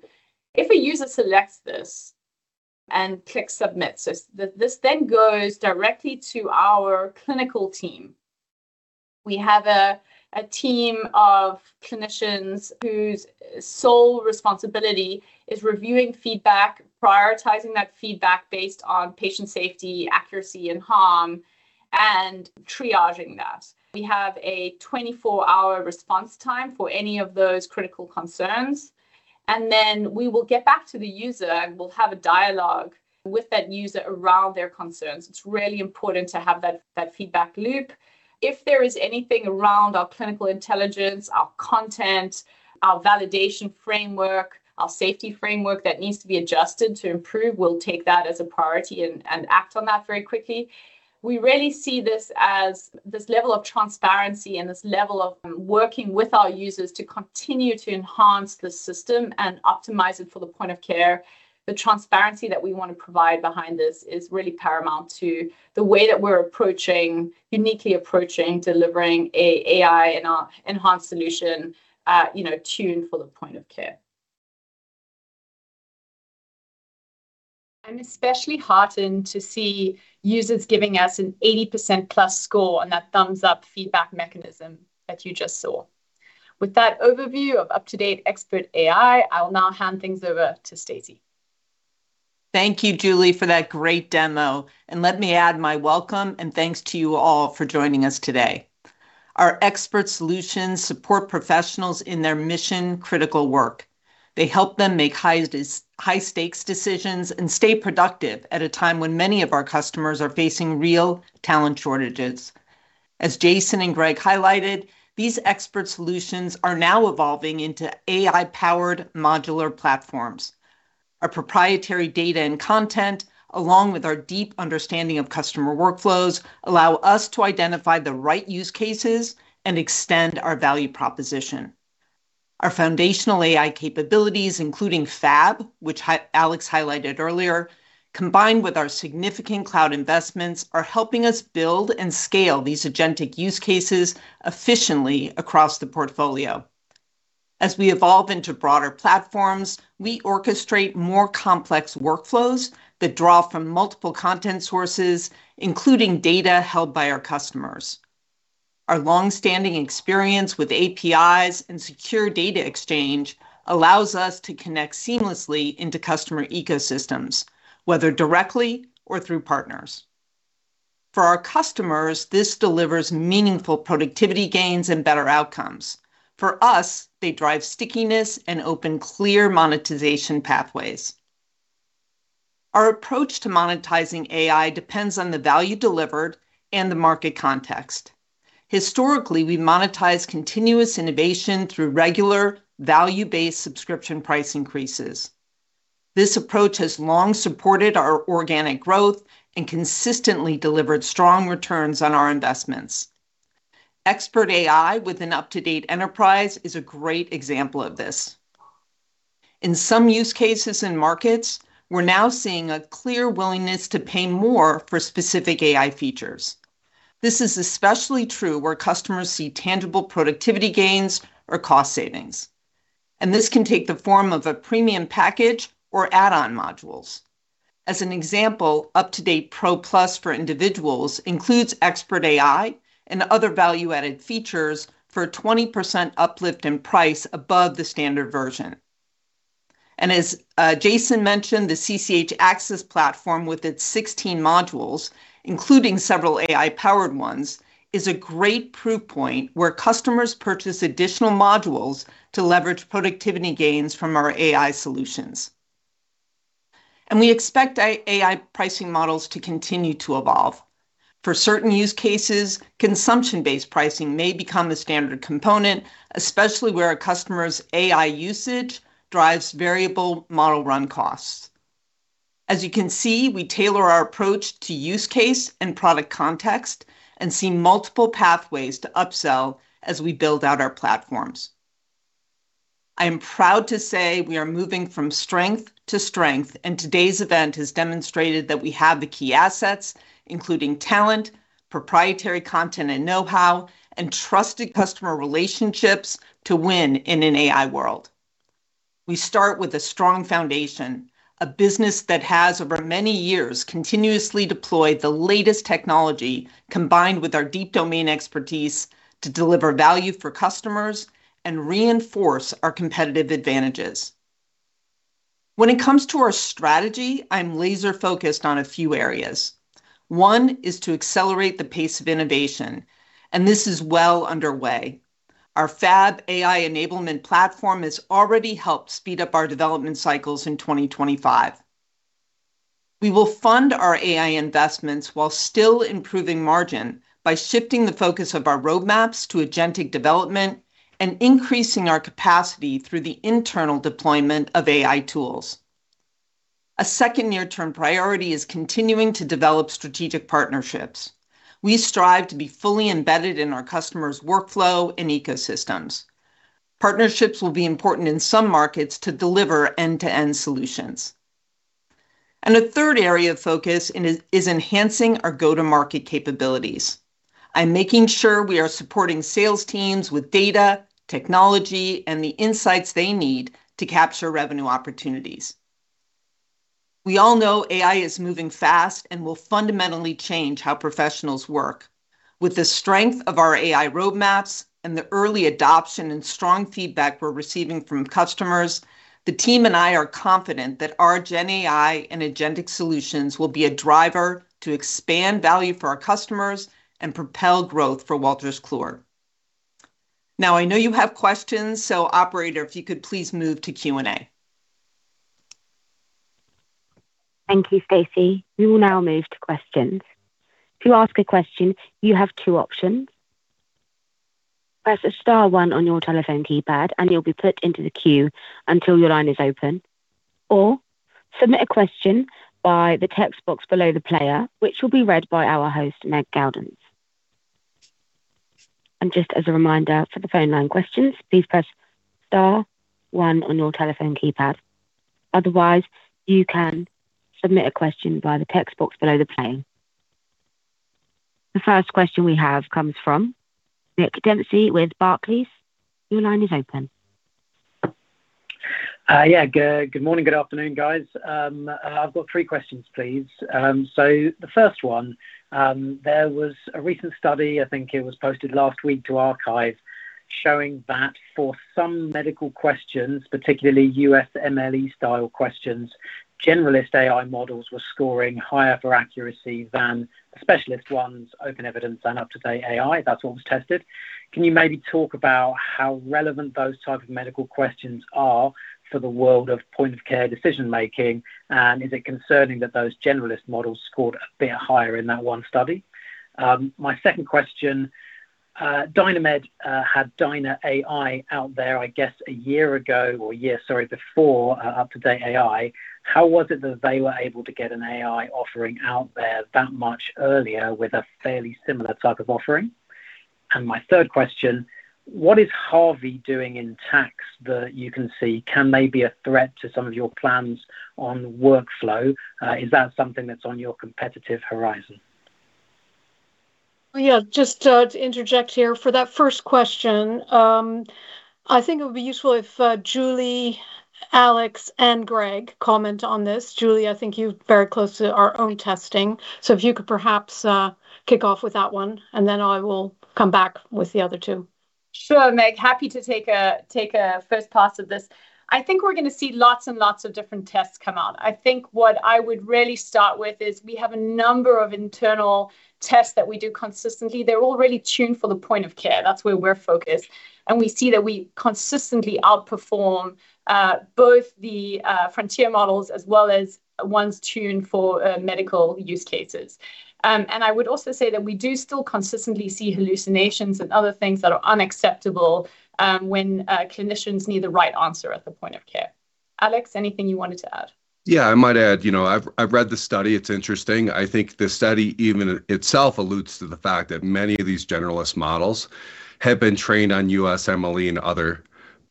If a user selects this and clicks submit, this then goes directly to our clinical team. We have a team of clinicians whose sole responsibility is reviewing feedback, prioritizing that feedback based on patient safety, accuracy, and harm, and triaging that. We have a 24-hour response time for any of those critical concerns. And then we will get back to the user and we'll have a dialogue with that user around their concerns. It's really important to have that feedback loop. If there is anything around our clinical intelligence, our content, our validation framework, our safety framework that needs to be adjusted to improve, we'll take that as a priority and act on that very quickly. We really see this as this level of transparency and this level of working with our users to continue to enhance the system and optimize it for the point of care. The transparency that we want to provide behind this is really paramount to the way that we're approaching, uniquely approaching, delivering an AI and our enhanced solution tuned for the point of care. I'm especially heartened to see users giving us an 80% plus score on that thumbs up feedback mechanism that you just saw. With that overview of UpToDate Expert AI, I'll now hand things over to Stacey. Thank you, Julie, for that great demo. And let me add my welcome and thanks to you all for joining us today. Our expert solutions support professionals in their mission-critical work. They help them make high-stakes decisions and stay productive at a time when many of our customers are facing real talent shortages. As Jason and Greg highlighted, these expert solutions are now evolving into AI-powered modular platforms. Our proprietary data and content, along with our deep understanding of customer workflows, allow us to identify the right use cases and extend our value proposition. Our foundational AI capabilities, including FAB, which Alex highlighted earlier, combined with our significant cloud investments, are helping us build and scale these agentic use cases efficiently across the portfolio. As we evolve into broader platforms, we orchestrate more complex workflows that draw from multiple content sources, including data held by our customers. Our long-standing experience with APIs and secure data exchange allows us to connect seamlessly into customer ecosystems, whether directly or through partners. For our customers, this delivers meaningful productivity gains and better outcomes. For us, they drive stickiness and open clear monetization pathways. Our approach to monetizing AI depends on the value delivered and the market context. Historically, we monetize continuous innovation through regular value-based subscription price increases. This approach has long supported our organic growth and consistently delivered strong returns on our investments. Expert AI with UpToDate Enterprise is a great example of this. In some use cases and markets, we're now seeing a clear willingness to pay more for specific AI features. This is especially true where customers see tangible productivity gains or cost savings. And this can take the form of a premium package or add-on modules. As an example, UpToDate Pro Plus for individuals includes Expert AI and other value-added features for a 20% uplift in price above the standard version. As Jason mentioned, the CCH Axcess platform with its 16 modules, including several AI-powered ones, is a great proof point where customers purchase additional modules to leverage productivity gains from our AI solutions. We expect AI pricing models to continue to evolve. For certain use cases, consumption-based pricing may become a standard component, especially where a customer's AI usage drives variable model run costs. As you can see, we tailor our approach to use case and product context and see multiple pathways to upsell as we build out our platforms. I am proud to say we are moving from strength to strength, and today's event has demonstrated that we have the key assets, including talent, proprietary content and know-how, and trusted customer relationships to win in an AI world. We start with a strong foundation, a business that has over many years continuously deployed the latest technology combined with our deep domain expertise to deliver value for customers and reinforce our competitive advantages. When it comes to our strategy, I'm laser-focused on a few areas. One is to accelerate the pace of innovation, and this is well underway. Our FAB AI enablement platform has already helped speed up our development cycles in 2025. We will fund our AI investments while still improving margin by shifting the focus of our roadmaps to agentic development and increasing our capacity through the internal deployment of AI tools. A second near-term priority is continuing to develop strategic partnerships. We strive to be fully embedded in our customers' workflow and ecosystems. Partnerships will be important in some markets to deliver end-to-end solutions. A third area of focus is enhancing our go-to-market capabilities. I'm making sure we are supporting sales teams with data, technology, and the insights they need to capture revenue opportunities. We all know AI is moving fast and will fundamentally change how professionals work. With the strength of our AI roadmaps and the early adoption and strong feedback we're receiving from customers, the team and I are confident that our GenAI and agentic solutions will be a driver to expand value for our customers and propel growth for Wolters Kluwer. Now, I know you have questions, so Operator, if you could please move to Q&A. Thank you, Stacey. We will now move to questions. To ask a question, you have two options. Press a star one on your telephone keypad and you'll be put into the queue until your line is open. Or submit a question by the text box below the player, which will be read by our host, Meg Geldens. And just as a reminder for the phone line questions, please press star one on your telephone keypad. Otherwise, you can submit a question by the text box below the player. The first question we have comes from Nick Dempsey with Barclays. Your line is open. Yeah, good morning, good afternoon, guys. I've got three questions, please. So the first one, there was a recent study, I think it was posted last week to arXiv, showing that for some medical questions, particularly USMLE style questions, generalist AI models were scoring higher for accuracy than the specialist ones, Open Evidence and UpToDate AI. That's what was tested. Can you maybe talk about how relevant those types of medical questions are for the world of point-of-care decision-making? Is it concerning that those generalist models scored a bit higher in that one study? My second question, DynaMed had DynaMed AI out there, I guess, a year ago or a year, sorry, before UpToDate AI. How was it that they were able to get an AI offering out there that much earlier with a fairly similar type of offering? And my third question, what is Harvey doing in tax that you can see? Can they be a threat to some of your plans on workflow? Is that something that's on your competitive horizon? Yeah, just to interject here for that first question, I think it would be useful if Julie, Alex, and Greg comment on this. Julie, I think you're very close to our own testing. So if you could perhaps kick off with that one, and then I will come back with the other two. Sure, Meg. Happy to take a first pass of this. I think we're going to see lots and lots of different tests come out. I think what I would really start with is we have a number of internal tests that we do consistently. They're all really tuned for the point of care. That's where we're focused. And we see that we consistently outperform both the frontier models as well as ones tuned for medical use cases. And I would also say that we do still consistently see hallucinations and other things that are unacceptable when clinicians need the right answer at the point of care. Alex, anything you wanted to add? Yeah, I might add, you know, I've read the study. It's interesting. I think the study even itself alludes to the fact that many of these generalist models have been trained on USMLE and other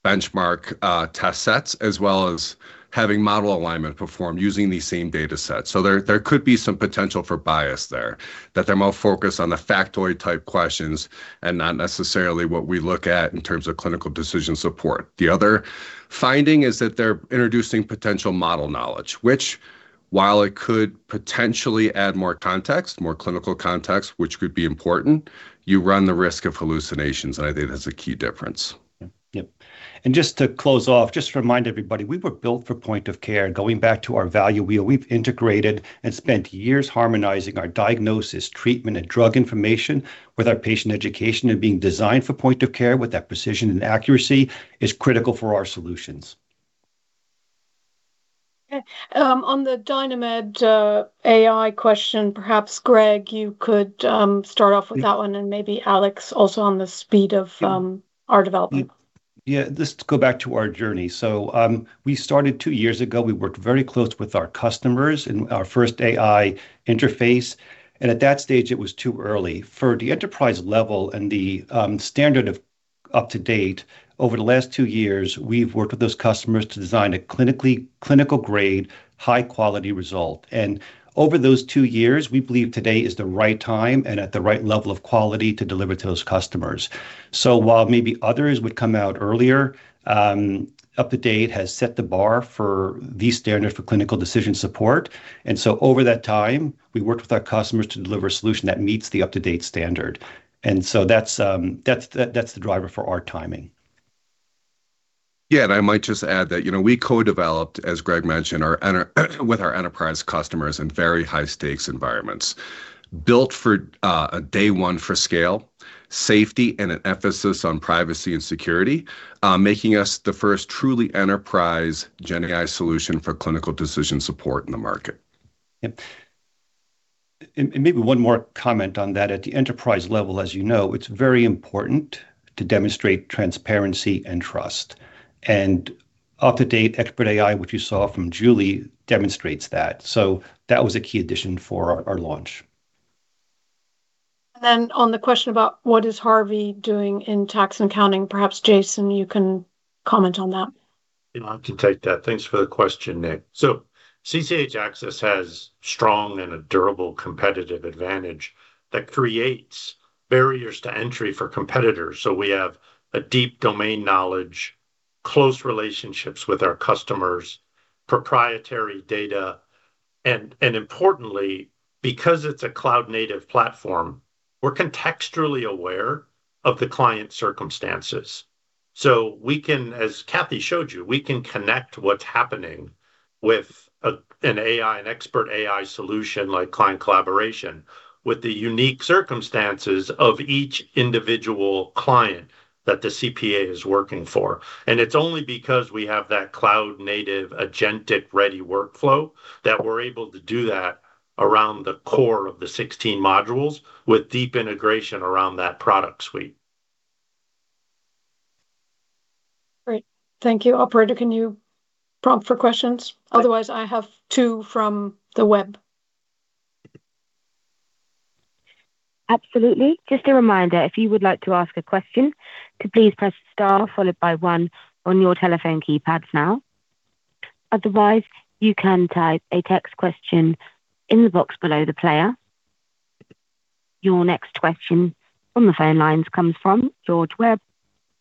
benchmark test sets, as well as having model alignment performed using the same data set. So there could be some potential for bias there, that they're more focused on the factoid type questions and not necessarily what we look at in terms of clinical decision support. The other finding is that they're introducing potential model knowledge, which, while it could potentially add more context, more clinical context, which could be important, you run the risk of hallucinations. And I think that's a key difference. Yep. And just to close off, just to remind everybody, we were built for point of care. Going back to our Value Wheel, we've integrated and spent years harmonizing our diagnosis, treatment, and drug information with our patient education, and being designed for point of care with that precision and accuracy is critical for our solutions. On the DynaMed AI question, perhaps Greg, you could start off with that one and maybe Alex also on the speed of our development. Yeah, let's go back to our journey so we started two years ago. We worked very close with our customers in our first AI interface, and at that stage, it was too early for the enterprise level and the standard of UpToDate. Over the last two years, we've worked with those customers to design a clinical-grade, high-quality result, and over those two years, we believe today is the right time and at the right level of quality to deliver to those customers. So while maybe others would come out earlier, UpToDate has set the bar for the standard for clinical decision support. And so over that time, we worked with our customers to deliver a solution that meets the UpToDate standard. And so that's the driver for our timing. Yeah, and I might just add that, you know, we co-developed, as Greg mentioned, with our enterprise customers in very high-stakes environments. Built for day one for scale, safety, and an emphasis on privacy and security, making us the first truly enterprise GenAI solution for clinical decision support in the market. Yep. And maybe one more comment on that. At the enterprise level, as you know, it's very important to demonstrate transparency and trust. And UpToDate Expert AI, which you saw from Julie, demonstrates that. So that was a key addition for our launch. And then on the question about what is Harvey doing in tax and accounting, perhaps Jason, you can comment on that. I can take that. Thanks for the question, Nick. So CCH Axcess has strong and a durable competitive advantage that creates barriers to entry for competitors. So we have a deep domain knowledge, close relationships with our customers, proprietary data, and importantly, because it's a cloud-native platform, we're contextually aware of the client circumstances. So we can, as Cathy showed you, we can connect what's happening with an AI, an Expert AI solution like Client Collaboration with the unique circumstances of each individual client that the CPA is working for. And it's only because we have that cloud-native agentic-ready workflow that we're able to do that around the core of the 16 modules with deep integration around that product suite. Great. Thank you. Operator, can you prompt for questions? Otherwise, I have two from the web. Absolutely. Just a reminder, if you would like to ask a question, please press star followed by one on your telephone keypad now. Otherwise, you can type a text question in the box below the player. Your next question on the phone lines comes from George Webb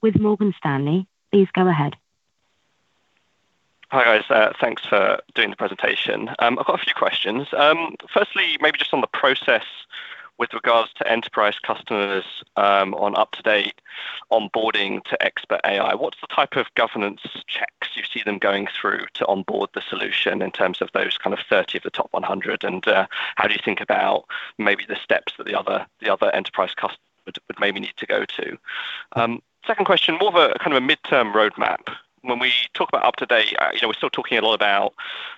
with Morgan Stanley. Please go ahead. Hi guys, thanks for doing the presentation. I've got a few questions. Firstly, maybe just on the process with regards to enterprise customers on UpToDate onboarding to Expert AI. What's the type of governance checks you see them going through to onboard the solution in terms of those kind of 30 of the top 100? And how do you think about maybe the steps that the other enterprise customers would maybe need to go to? Second question, more of a kind of a midterm roadmap. When we talk about UpToDate, you know, we're still talking a lot about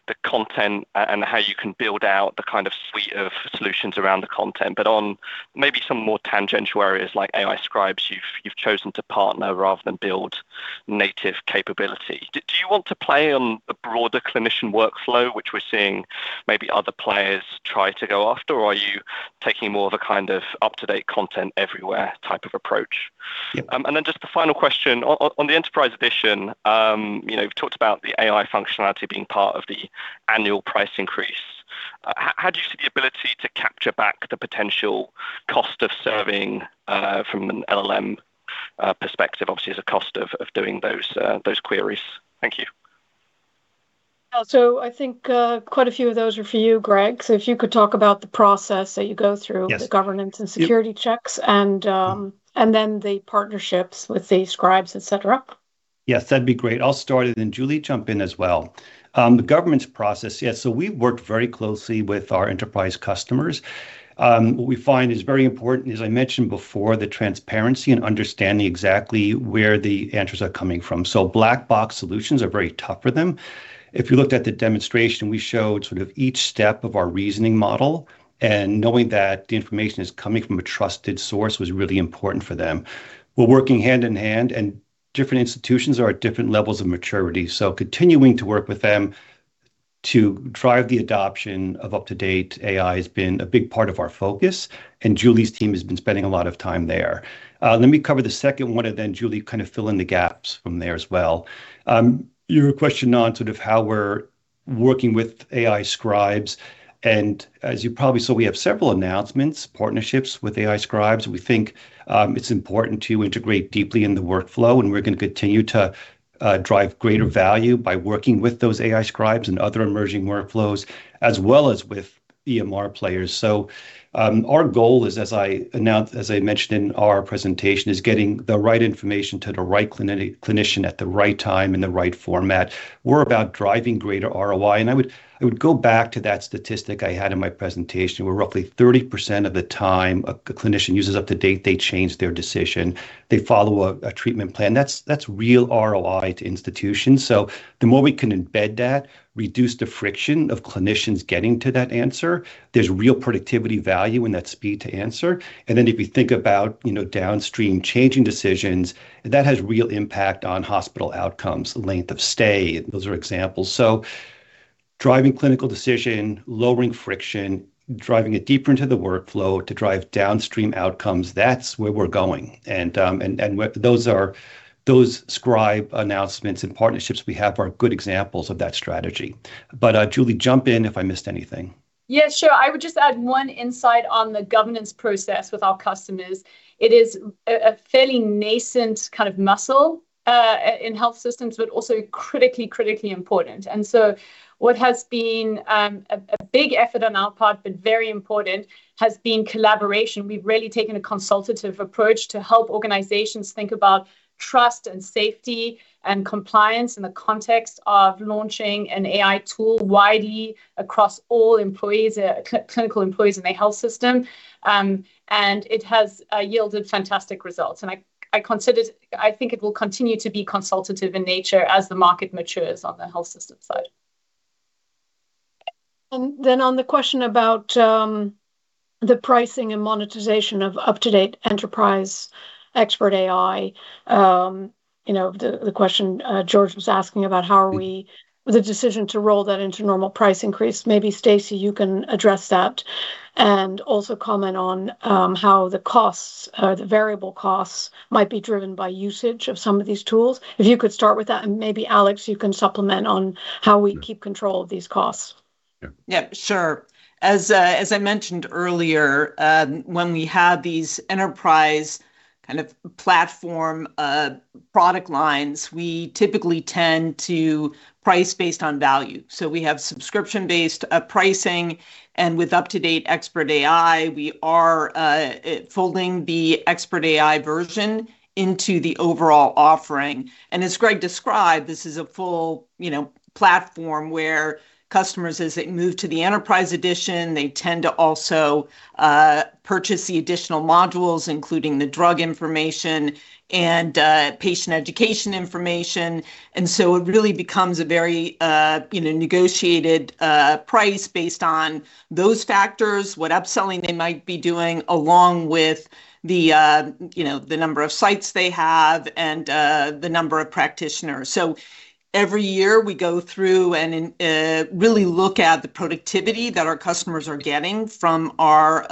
the content and how you can build out the kind of suite of solutions around the content. But on maybe some more tangential areas like AI scribes, you've chosen to partner rather than build native capability. Do you want to play on the broader clinician workflow, which we're seeing maybe other players try to go after? Or are you taking more of a kind of UpToDate content everywhere type of approach? And then just the final question. On the enterprise edition, you know, we've talked about the AI functionality being part of the annual price increase. How do you see the ability to capture back the potential cost of serving from an LLM perspective, obviously as a cost of doing those queries? Thank you. So I think quite a few of those are for you, Greg. So if you could talk about the process that you go through with governance and security checks and then the partnerships with the scribes, etc. Yes, that'd be great. I'll start it and Julie jump in as well. The governance process, yes, so we've worked very closely with our enterprise customers. What we find is very important, as I mentioned before, the transparency and understanding exactly where the answers are coming from, so black box solutions are very tough for them. If you looked at the demonstration, we showed sort of each step of our reasoning model, and knowing that the information is coming from a trusted source was really important for them. We're working hand in hand and different institutions are at different levels of maturity, so continuing to work with them to drive the adoption of UpToDate AI has been a big part of our focus. Julie's team has been spending a lot of time there. Let me cover the second one and then Julie kind of fill in the gaps from there as well. Your question on sort of how we're working with AI scribes. And as you probably saw, we have several announcements, partnerships with AI scribes. We think it's important to integrate deeply in the workflow. And we're going to continue to drive greater value by working with those AI scribes and other emerging workflows, as well as with EMR players. So our goal is, as I mentioned in our presentation, is getting the right information to the right clinician at the right time and the right format. We're about driving greater ROI. And I would go back to that statistic I had in my presentation. We're roughly 30% of the time a clinician uses UpToDate, they change their decision, they follow a treatment plan. That's real ROI to institutions. So the more we can embed that, reduce the friction of clinicians getting to that answer, there's real productivity value in that speed to answer. And then if you think about, you know, downstream changing decisions, that has real impact on hospital outcomes, length of stay. Those are examples. So driving clinical decision, lowering friction, driving it deeper into the workflow to drive downstream outcomes, that's where we're going. And those scribe announcements and partnerships we have are good examples of that strategy. But Julie, jump in if I missed anything. Yeah, sure. I would just add one insight on the governance process with our customers. It is a fairly nascent kind of muscle in health systems, but also critically, critically important. And so what has been a big effort on our part, but very important, has been collaboration. We've really taken a consultative approach to help organizations think about trust and safety and compliance in the context of launching an AI tool widely across all employees, clinical employees in the health system. And it has yielded fantastic results. And I considered, I think it will continue to be consultative in nature as the market matures on the health system side. And then on the question about the pricing and monetization of UpToDate Enterprise Expert AI, you know, the question George was asking about how are we the decision to roll that into normal price increase. Maybe Stacey, you can address that and also comment on how the costs, the variable costs might be driven by usage of some of these tools. If you could start with that. Maybe Alex, you can supplement on how we keep control of these costs. Yeah, sure. As I mentioned earlier, when we have these enterprise kind of platform product lines, we typically tend to price based on value. So we have subscription-based pricing. And with UpToDate Expert AI, we are folding the Expert AI version into the overall offering. And as Greg described, this is a full, you know, platform where customers, as they move to the enterprise edition, they tend to also purchase the additional modules, including the drug information and patient education information. And so it really becomes a very, you know, negotiated price based on those factors, what upselling they might be doing along with the, you know, the number of sites they have and the number of practitioners. Every year we go through and really look at the productivity that our customers are getting from our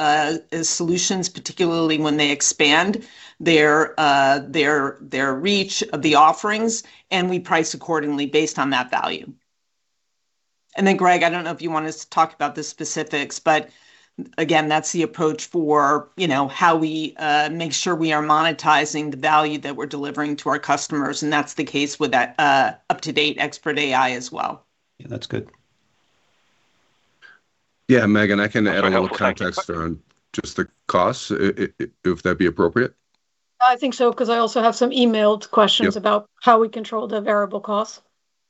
solutions, particularly when they expand their reach of the offerings. And we price accordingly based on that value. And then Greg, I don't know if you want us to talk about the specifics, but again, that's the approach for, you know, how we make sure we are monetizing the value that we're delivering to our customers. And that's the case with that UpToDate Expert AI as well. Yeah, that's good. Yeah, Meg, I can add a little context on just the cost, if that'd be appropriate. I think so, because I also have some emailed questions about how we control the variable costs.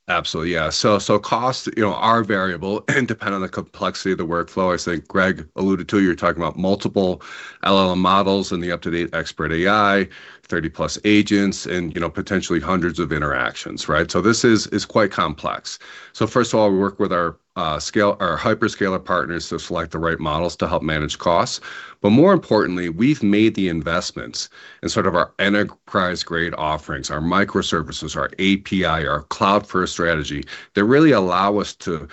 Absolutely. Yeah. So costs, you know, are variable and depend on the complexity of the workflow. I think Greg alluded to, you're talking about multiple LLM models and the UpToDate Expert AI, 30 plus agents and, you know, potentially hundreds of interactions, right? So this is quite complex. So first of all, we work with our hyperscaler partners to select the right models to help manage costs. But more importantly, we've made the investments in sort of our enterprise-grade offerings, our microservices, our API, our cloud-first strategy. They really allow us to,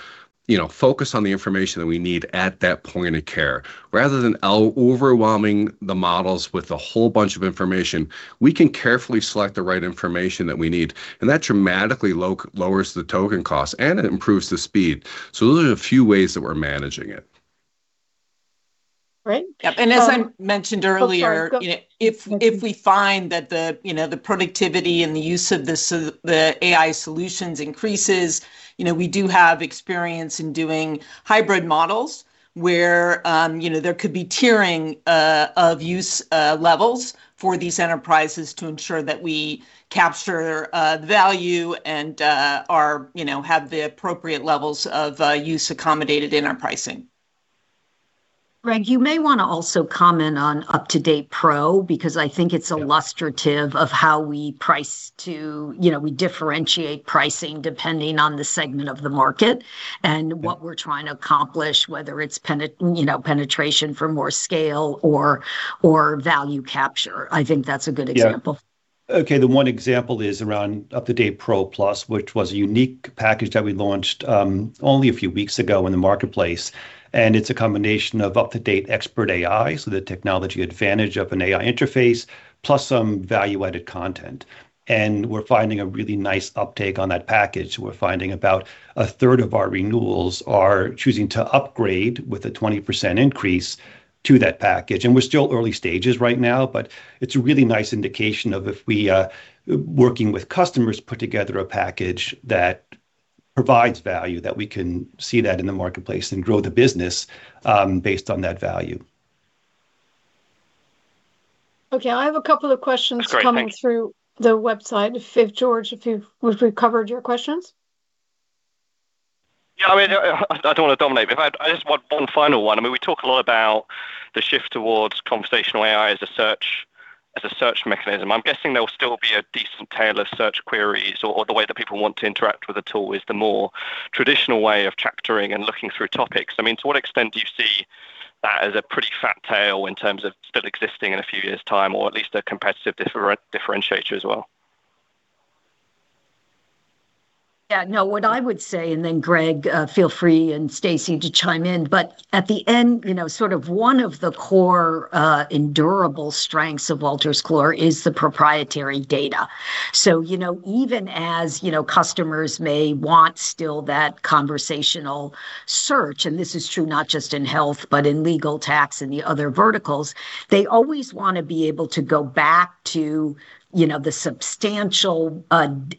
you know, focus on the information that we need at that point of care. Rather than overwhelming the models with a whole bunch of information, we can carefully select the right information that we need. And that dramatically lowers the token cost and it improves the speed. So those are a few ways that we're managing it. Right. Yep. As I mentioned earlier, you know, if we find that the, you know, the productivity and the use of the AI solutions increases, you know, we do have experience in doing hybrid models where, you know, there could be tiering of use levels for these enterprises to ensure that we capture the value and are, you know, have the appropriate levels of use accommodated in our pricing. Greg, you may want to also comment on UpToDate Pro because I think it's illustrative of how we price to, you know, we differentiate pricing depending on the segment of the market and what we're trying to accomplish, whether it's, you know, penetration for more scale or value capture. I think that's a good example. Okay. The one example is around UpToDate Pro Plus, which was a unique package that we launched only a few weeks ago in the marketplace. It's a combination of UpToDate Expert AI, so the technology advantage of an AI interface, plus some value-added content. We're finding a really nice uptake on that package. We're finding about a third of our renewals are choosing to upgrade with a 20% increase to that package. We're still early stages right now, but it's a really nice indication of if we're working with customers, put together a package that provides value, that we can see that in the marketplace and grow the business based on that value. Okay. I have a couple of questions coming through the website. If George, if you've covered your questions. Yeah, I mean, I don't want to dominate. I just want one final one. I mean, we talk a lot about the shift towards conversational AI as a search mechanism. I'm guessing there will still be a decent tail of search queries or the way that people want to interact with the tool is the more traditional way of chaptering and looking through topics. I mean, to what extent do you see that as a pretty fat tail in terms of still existing in a few years' time or at least a competitive differentiator as well? Yeah, no, what I would say, and then Greg, feel free and Stacey to chime in, but at the end, you know, sort of one of the core enduring strengths of Wolters Kluwer is the proprietary data. So, you know, even as, you know, customers may want still that conversational search, and this is true not just in health, but in legal tax and the other verticals, they always want to be able to go back to, you know, the substantial,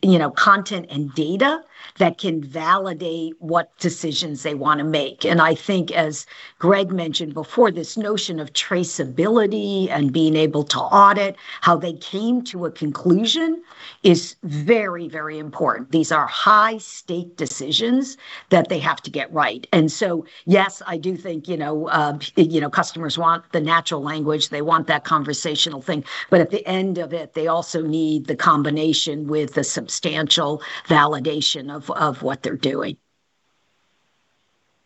you know, content and data that can validate what decisions they want to make. And I think, as Greg mentioned before, this notion of traceability and being able to audit how they came to a conclusion is very, very important. These are high-stake decisions that they have to get right. And so, yes, I do think, you know, you know, customers want the natural language. They want that conversational thing. But at the end of it, they also need the combination with the substantial validation of what they're doing.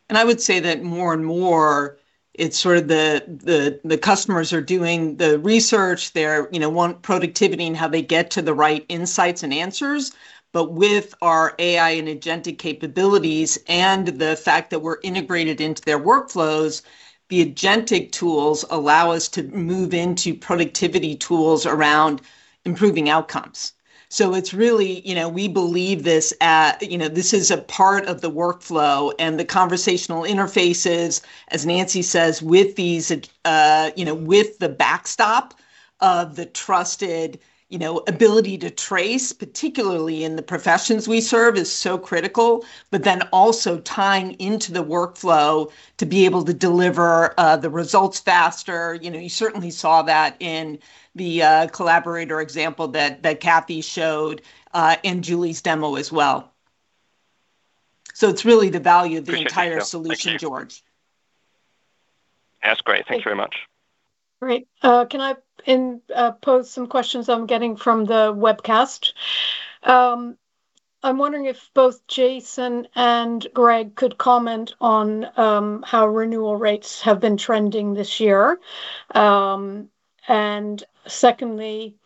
And I would say that more and more, it's sort of the customers are doing the research. They, you know, want productivity and how they get to the right insights and answers. But with our AI and agentic capabilities and the fact that we're integrated into their workflows, the agentic tools allow us to move into productivity tools around improving outcomes. So it's really, you know, we believe this at, you know. This is a part of the workflow and the conversational interfaces, as Nancy says, with these, you know, with the backstop of the trusted, you know, ability to trace, particularly in the professions we serve, is so critical, but then also tying into the workflow to be able to deliver the results faster. You know, you certainly saw that in the collaborator example that Cathy showed in Julie's demo as well. So it's really the value of the entire solution, George. That's great. Thanks very much. Great. Can I post some questions I'm getting from the webcast? I'm wondering if both Jason and Greg could comment on how renewal rates have been trending this year. And secondly,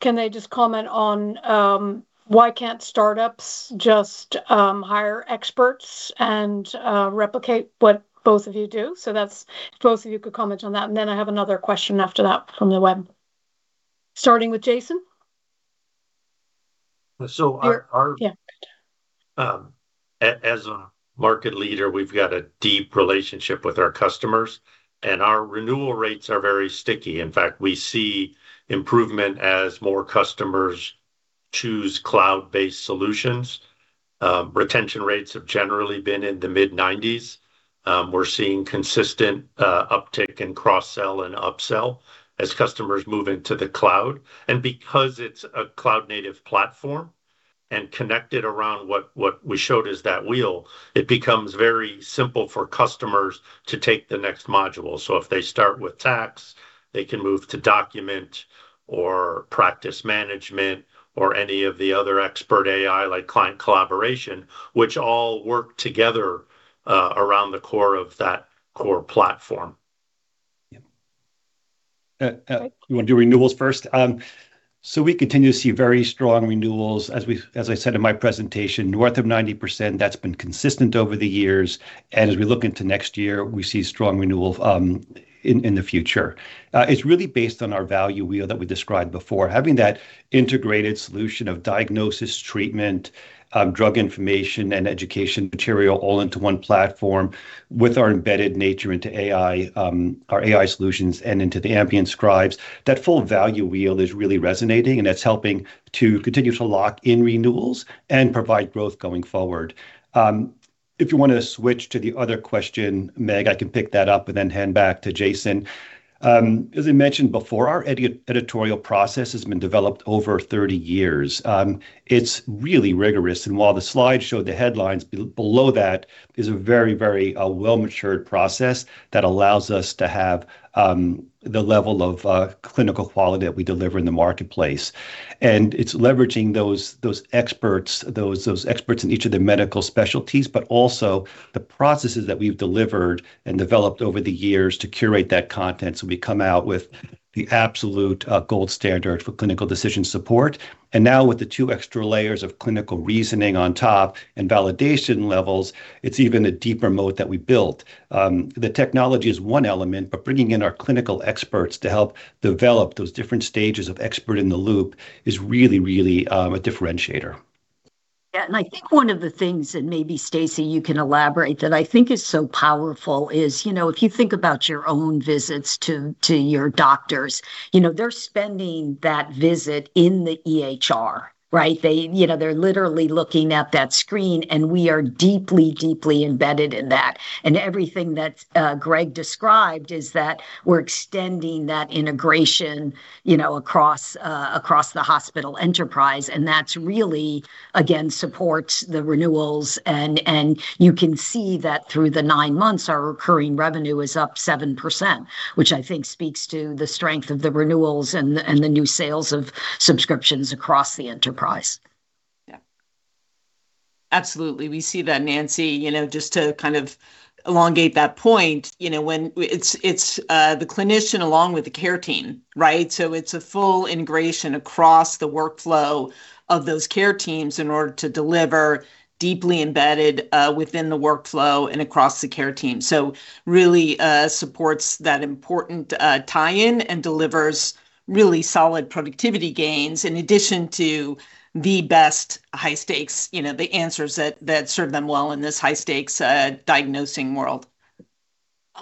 can they just comment on why can't startups just hire experts and replicate what both of you do? So that's if both of you could comment on that. And then I have another question after that from the web. Starting with Jason. So, as a market leader, we've got a deep relationship with our customers. And our renewal rates are very sticky. In fact, we see improvement as more customers choose cloud-based solutions. Retention rates have generally been in the mid-90s. We're seeing consistent uptick in cross-sell and upsell as customers move into the cloud. And because it's a cloud-native platform and connected around what we showed as that wheel, it becomes very simple for customers to take the next module. So if they start with tax, they can move to document or practice management or any of the other Expert AI like Client Collaboration, which all work together around the core of that core platform. Yeah. You want to do renewals first? So we continue to see very strong renewals, as I said in my presentation, north of 90%. That's been consistent over the years. And as we look into next year, we see strong renewal in the future. It's really based on our value wheel that we described before. Having that integrated solution of diagnosis, treatment, drug information, and education material all into one platform with our embedded nature into AI, our AI solutions, and into the ambient scribes, that full value wheel is really resonating. And that's helping to continue to lock in renewals and provide growth going forward. If you want to switch to the other question, Meg, I can pick that up and then hand back to Jason. As I mentioned before, our editorial process has been developed over 30 years. It's really rigorous. And while the slide showed the headlines, below that is a very, very well-matured process that allows us to have the level of clinical quality that we deliver in the marketplace. And it's leveraging those experts, those experts in each of the medical specialties, but also the processes that we've delivered and developed over the years to curate that content. So we come out with the absolute gold standard for clinical decision support. And now with the two extra layers of clinical reasoning on top and validation levels, it's even a deeper mode that we built. The technology is one element, but bringing in our clinical experts to help develop those different stages of expert in the loop is really, really a differentiator. Yeah. And I think one of the things that maybe, Stacey, you can elaborate that I think is so powerful is, you know, if you think about your own visits to your doctors, you know, they're spending that visit in the EHR, right? They, you know, they're literally looking at that screen. And we are deeply, deeply embedded in that. And everything that Greg described is that we're extending that integration, you know, across the hospital enterprise. And that's really, again, supports the renewals. You can see that through the nine months, our recurring revenue is up 7%, which I think speaks to the strength of the renewals and the new sales of subscriptions across the enterprise. Yeah. Absolutely. We see that, Nancy. You know, just to kind of elaborate that point, you know, when it's the clinician along with the care team, right? So it's a full integration across the workflow of those care teams in order to deliver deeply embedded within the workflow and across the care team. So really supports that important tie-in and delivers really solid productivity gains in addition to the best high-stakes, you know, the answers that serve them well in this high-stakes diagnosing world.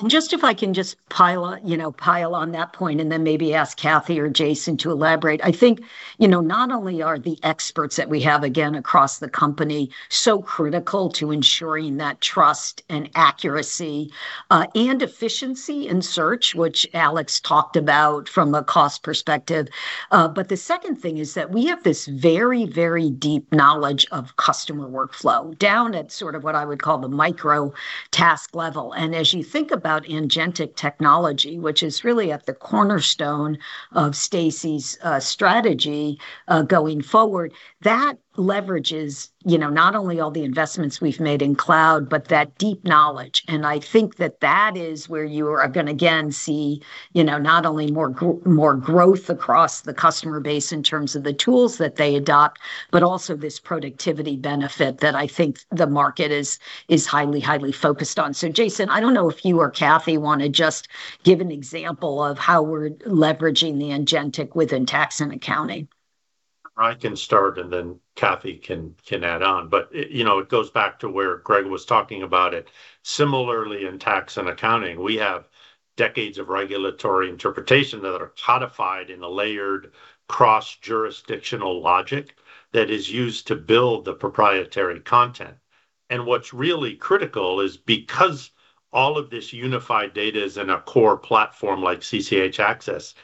And just if I can pile, you know, on that point and then maybe ask Cathy or Jason to elaborate. I think, you know, not only are the experts that we have again across the company so critical to ensuring that trust and accuracy and efficiency in search, which Alex talked about from a cost perspective, but the second thing is that we have this very, very deep knowledge of customer workflow down at sort of what I would call the micro task level, and as you think about agentic technology, which is really at the cornerstone of Stacey's strategy going forward, that leverages, you know, not only all the investments we've made in cloud, but that deep knowledge, and I think that that is where you are going to, again, see, you know, not only more growth across the customer base in terms of the tools that they adopt, but also this productivity benefit that I think the market is highly, highly focused on. So Jason, I don't know if you or Cathy want to just give an example of how we're leveraging the agentic within tax and accounting. I can start and then Cathy can add on. But, you know, it goes back to where Greg was talking about it. Similarly, in tax and accounting, we have decades of regulatory interpretation that are codified in a layered cross-jurisdictional logic that is used to build the proprietary content. And what's really critical is because all of this unified data is in a core platform like CCH Axcess,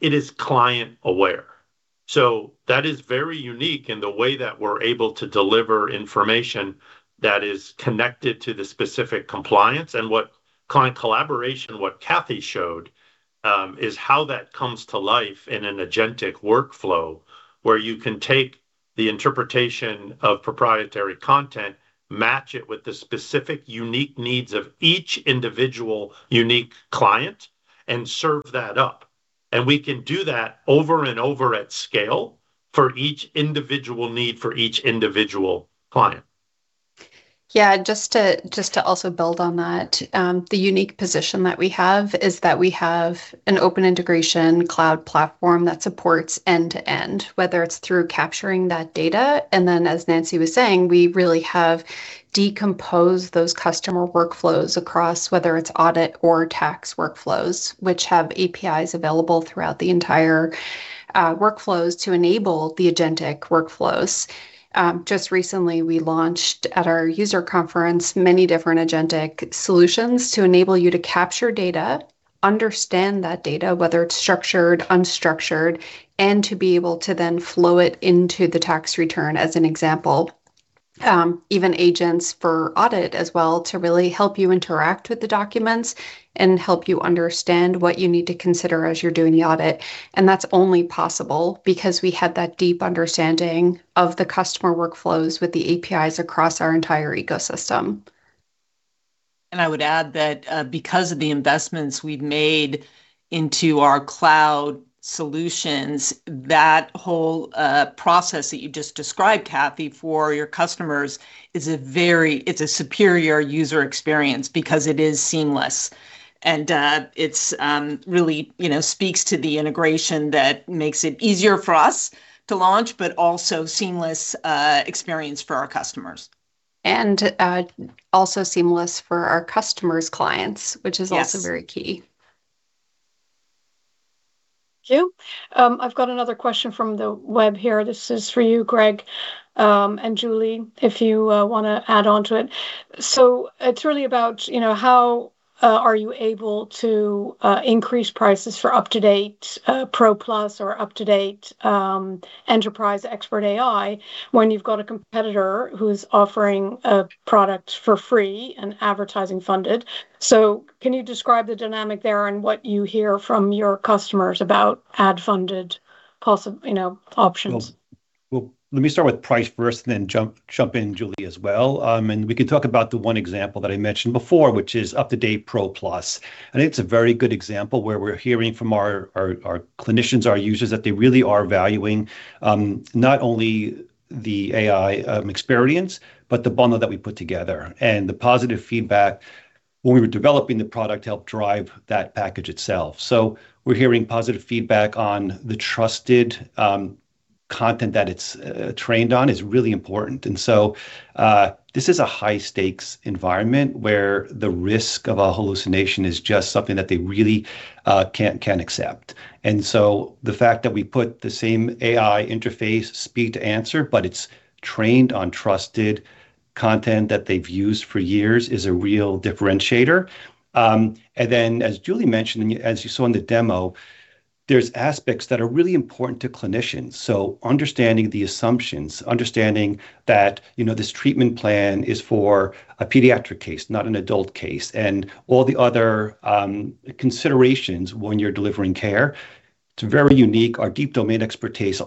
it is client-aware. So that is very unique in the way that we're able to deliver information that is connected to the specific compliance. What Client Collaboration, what Cathy showed, is how that comes to life in an agentic workflow where you can take the interpretation of proprietary content, match it with the specific unique needs of each individual unique client, and serve that up. We can do that over and over at scale for each individual need for each individual client. Yeah. Just to also build on that, the unique position that we have is that we have an open integration cloud platform that supports end-to-end, whether it's through capturing that data. Then, as Nancy was saying, we really have decomposed those customer workflows across whether it's audit or tax workflows, which have APIs available throughout the entire workflows to enable the agentic workflows. Just recently, we launched at our user conference many different agentic solutions to enable you to capture data, understand that data, whether it's structured, unstructured, and to be able to then flow it into the tax return as an example, even agents for audit as well to really help you interact with the documents and help you understand what you need to consider as you're doing the audit. And that's only possible because we had that deep understanding of the customer workflows with the APIs across our entire ecosystem. And I would add that because of the investments we've made into our cloud solutions, that whole process that you just described, Cathy, for your customers is a very, it's a superior user experience because it is seamless. It really, you know, speaks to the integration that makes it easier for us to launch, but also seamless experience for our customers. Also seamless for our customers' clients, which is also very key. Thank you. I've got another question from the web here. This is for you, Greg and Julie, if you want to add on to it. It's really about, you know, how are you able to increase prices for UpToDate Pro Plus or UpToDate Enterprise Expert AI when you've got a competitor who's offering a product for free and advertising funded? Can you describe the dynamic there and what you hear from your customers about ad-funded, you know, options? Let me start with price first and then jump in, Julie, as well. We can talk about the one example that I mentioned before, which is UpToDate Pro Plus. I think it's a very good example where we're hearing from our clinicians, our users, that they really are valuing not only the AI experience, but the bundle that we put together and the positive feedback when we were developing the product to help drive that package itself. So we're hearing positive feedback on the trusted content that it's trained on is really important. And so this is a high-stakes environment where the risk of a hallucination is just something that they really can't accept. And so the fact that we put the same AI interface speed to answer, but it's trained on trusted content that they've used for years is a real differentiator. And then, as Julie mentioned, and as you saw in the demo, there's aspects that are really important to clinicians. So, understanding the assumptions, understanding that, you know, this treatment plan is for a pediatric case, not an adult case, and all the other considerations when you're delivering care, it's very unique. Our deep domain expertise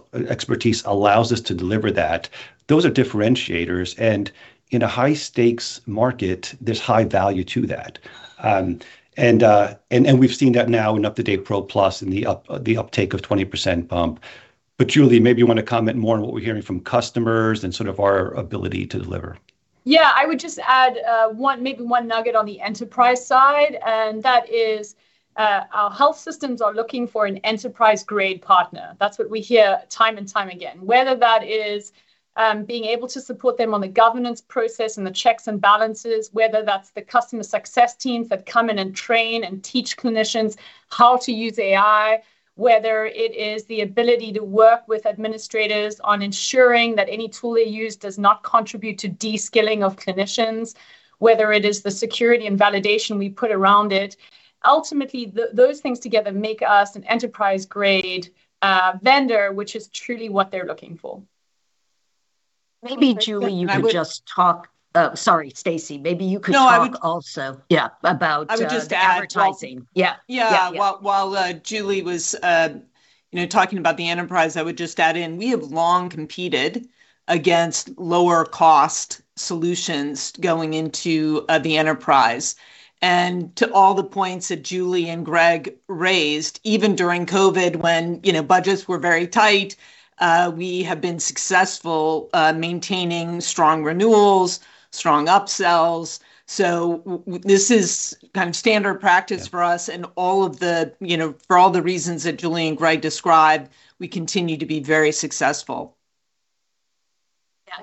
allows us to deliver that. Those are differentiators, and in a high-stakes market, there's high value to that. And we've seen that now in UpToDate Pro Plus and the uptake of 20% bump. But Julie, maybe you want to comment more on what we're hearing from customers and sort of our ability to deliver. Yeah, I would just add maybe one nugget on the enterprise side, and that is our health systems are looking for an enterprise-grade partner. That's what we hear time and time again, whether that is being able to support them on the governance process and the checks and balances, whether that's the customer success teams that come in and train and teach clinicians how to use AI, whether it is the ability to work with administrators on ensuring that any tool they use does not contribute to deskilling of clinicians, whether it is the security and validation we put around it. Ultimately, those things together make us an enterprise-grade vendor, which is truly what they're looking for. Maybe, Julie, you could just talk. Sorry, Stacey, maybe you could talk also. Yeah, about advertising. Yeah. Yeah. While Julie was, you know, talking about the enterprise, I would just add in we have long competed against lower-cost solutions going into the enterprise. To all the points that Julie and Greg raised, even during COVID when, you know, budgets were very tight, we have been successful maintaining strong renewals, strong upsells. This is kind of standard practice for us. All of the, you know, for all the reasons that Julie and Greg described, we continue to be very successful.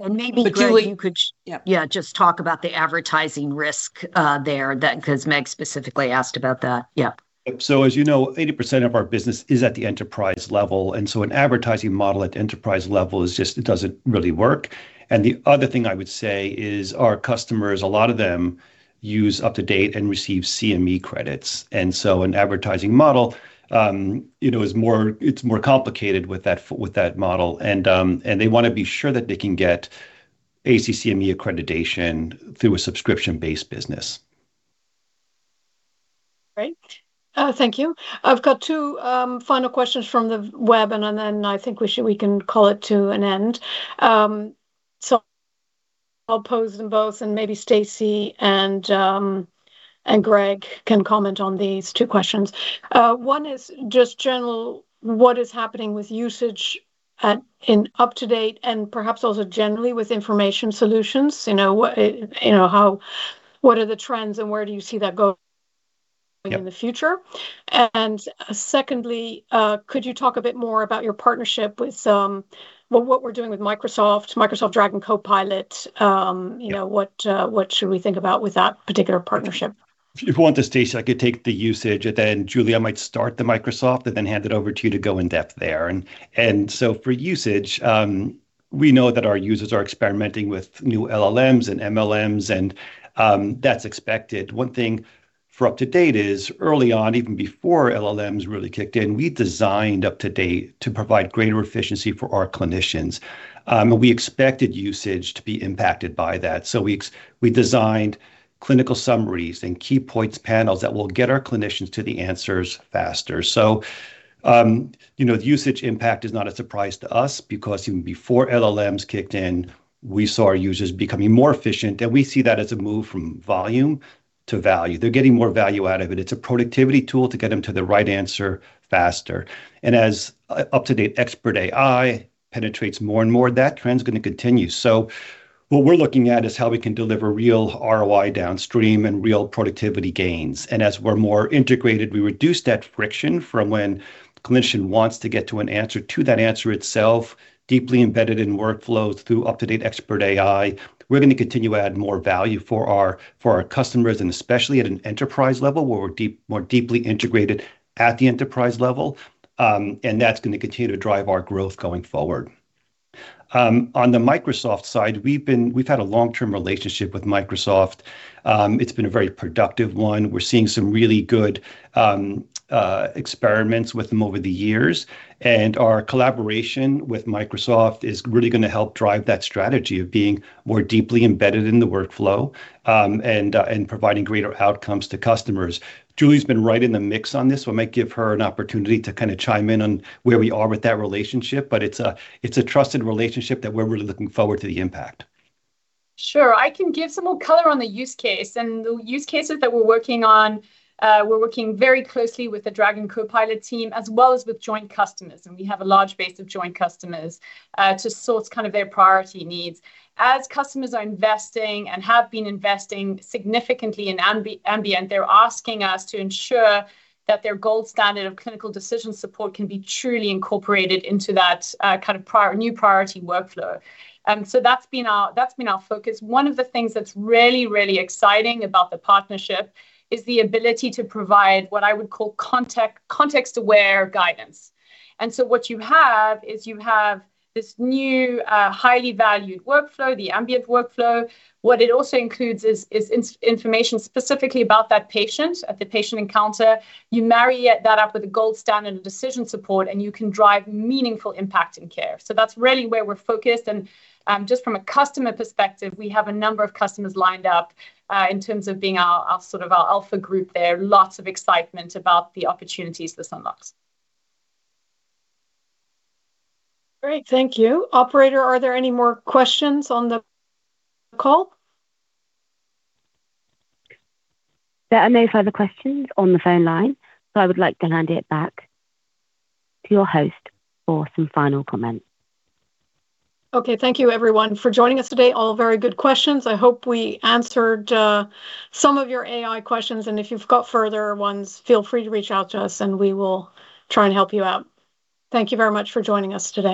Yeah. Maybe, Julie, you could, yeah, just talk about the advertising risk there that because Meg specifically asked about that. Yeah. As you know, 80% of our business is at the enterprise level. And so an advertising model at the enterprise level is just, it doesn't really work. And the other thing I would say is our customers, a lot of them use UpToDate and receive CME credits. And so an advertising model, you know, is more, it's more complicated with that model. They want to be sure that they can get ACCME accreditation through a subscription-based business. Great. Thank you. I've got two final questions from the web. Then I think we can call it to an end. I'll pose them both. Maybe Stacey and Greg can comment on these two questions. One is just general, what is happening with usage in UpToDate and perhaps also generally with information solutions? You know, what are the trends and where do you see that going in the future? Secondly, could you talk a bit more about your partnership with what we're doing with Microsoft, Microsoft Dragon Copilot? You know, what should we think about with that particular partnership? If you want to, Stacey, I could take the usage. Then, Julie, I might start the Microsoft and then hand it over to you to go in depth there. And so for usage, we know that our users are experimenting with new LLMs and MLMs, and that's expected. One thing for UpToDate is early on, even before LLMs really kicked in, we designed UpToDate to provide greater efficiency for our clinicians. And we expected usage to be impacted by that. So we designed clinical summaries and key points panels that will get our clinicians to the answers faster. So, you know, the usage impact is not a surprise to us because even before LLMs kicked in, we saw our users becoming more efficient. And we see that as a move from volume to value. They're getting more value out of it. It's a productivity tool to get them to the right answer faster. And as UpToDate Expert AI penetrates more and more, that trend is going to continue. So what we're looking at is how we can deliver real ROI downstream and real productivity gains. And as we're more integrated, we reduce that friction from when the clinician wants to get to an answer to that answer itself, deeply embedded in workflows through UpToDate Expert AI. We're going to continue to add more value for our customers, and especially at an enterprise level where we're more deeply integrated at the enterprise level. And that's going to continue to drive our growth going forward. On the Microsoft side, we've had a long-term relationship with Microsoft. It's been a very productive one. We're seeing some really good experiments with them over the years. And our collaboration with Microsoft is really going to help drive that strategy of being more deeply embedded in the workflow and providing greater outcomes to customers. Julie's been right in the mix on this, so I might give her an opportunity to kind of chime in on where we are with that relationship. But it's a trusted relationship that we're really looking forward to the impact. Sure. I can give some more color on the use case. And the use cases that we're working on, we're working very closely with the Dragon Copilot team as well as with joint customers. And we have a large base of joint customers to source kind of their priority needs. As customers are investing and have been investing significantly in ambient, they're asking us to ensure that their gold standard of clinical decision support can be truly incorporated into that kind of new priority workflow. So that's been our focus. One of the things that's really, really exciting about the partnership is the ability to provide what I would call context-aware guidance. And so what you have is you have this new highly valued workflow, the ambient workflow. What it also includes is information specifically about that patient at the patient encounter. You marry that up with a gold standard of decision support, and you can drive meaningful impact in care. So that's really where we're focused. And just from a customer perspective, we have a number of customers lined up in terms of being our sort of alpha group there. Lots of excitement about the opportunities this unlocks. Great. Thank you. Operator, are there any more questions on the call? There are no further questions on the phone line. So I would like to hand it back to your host for some final comments. Okay. Thank you, everyone, for joining us today. All very good questions. I hope we answered some of your AI questions, and if you've got further ones, feel free to reach out to us, and we will try and help you out. Thank you very much for joining us today.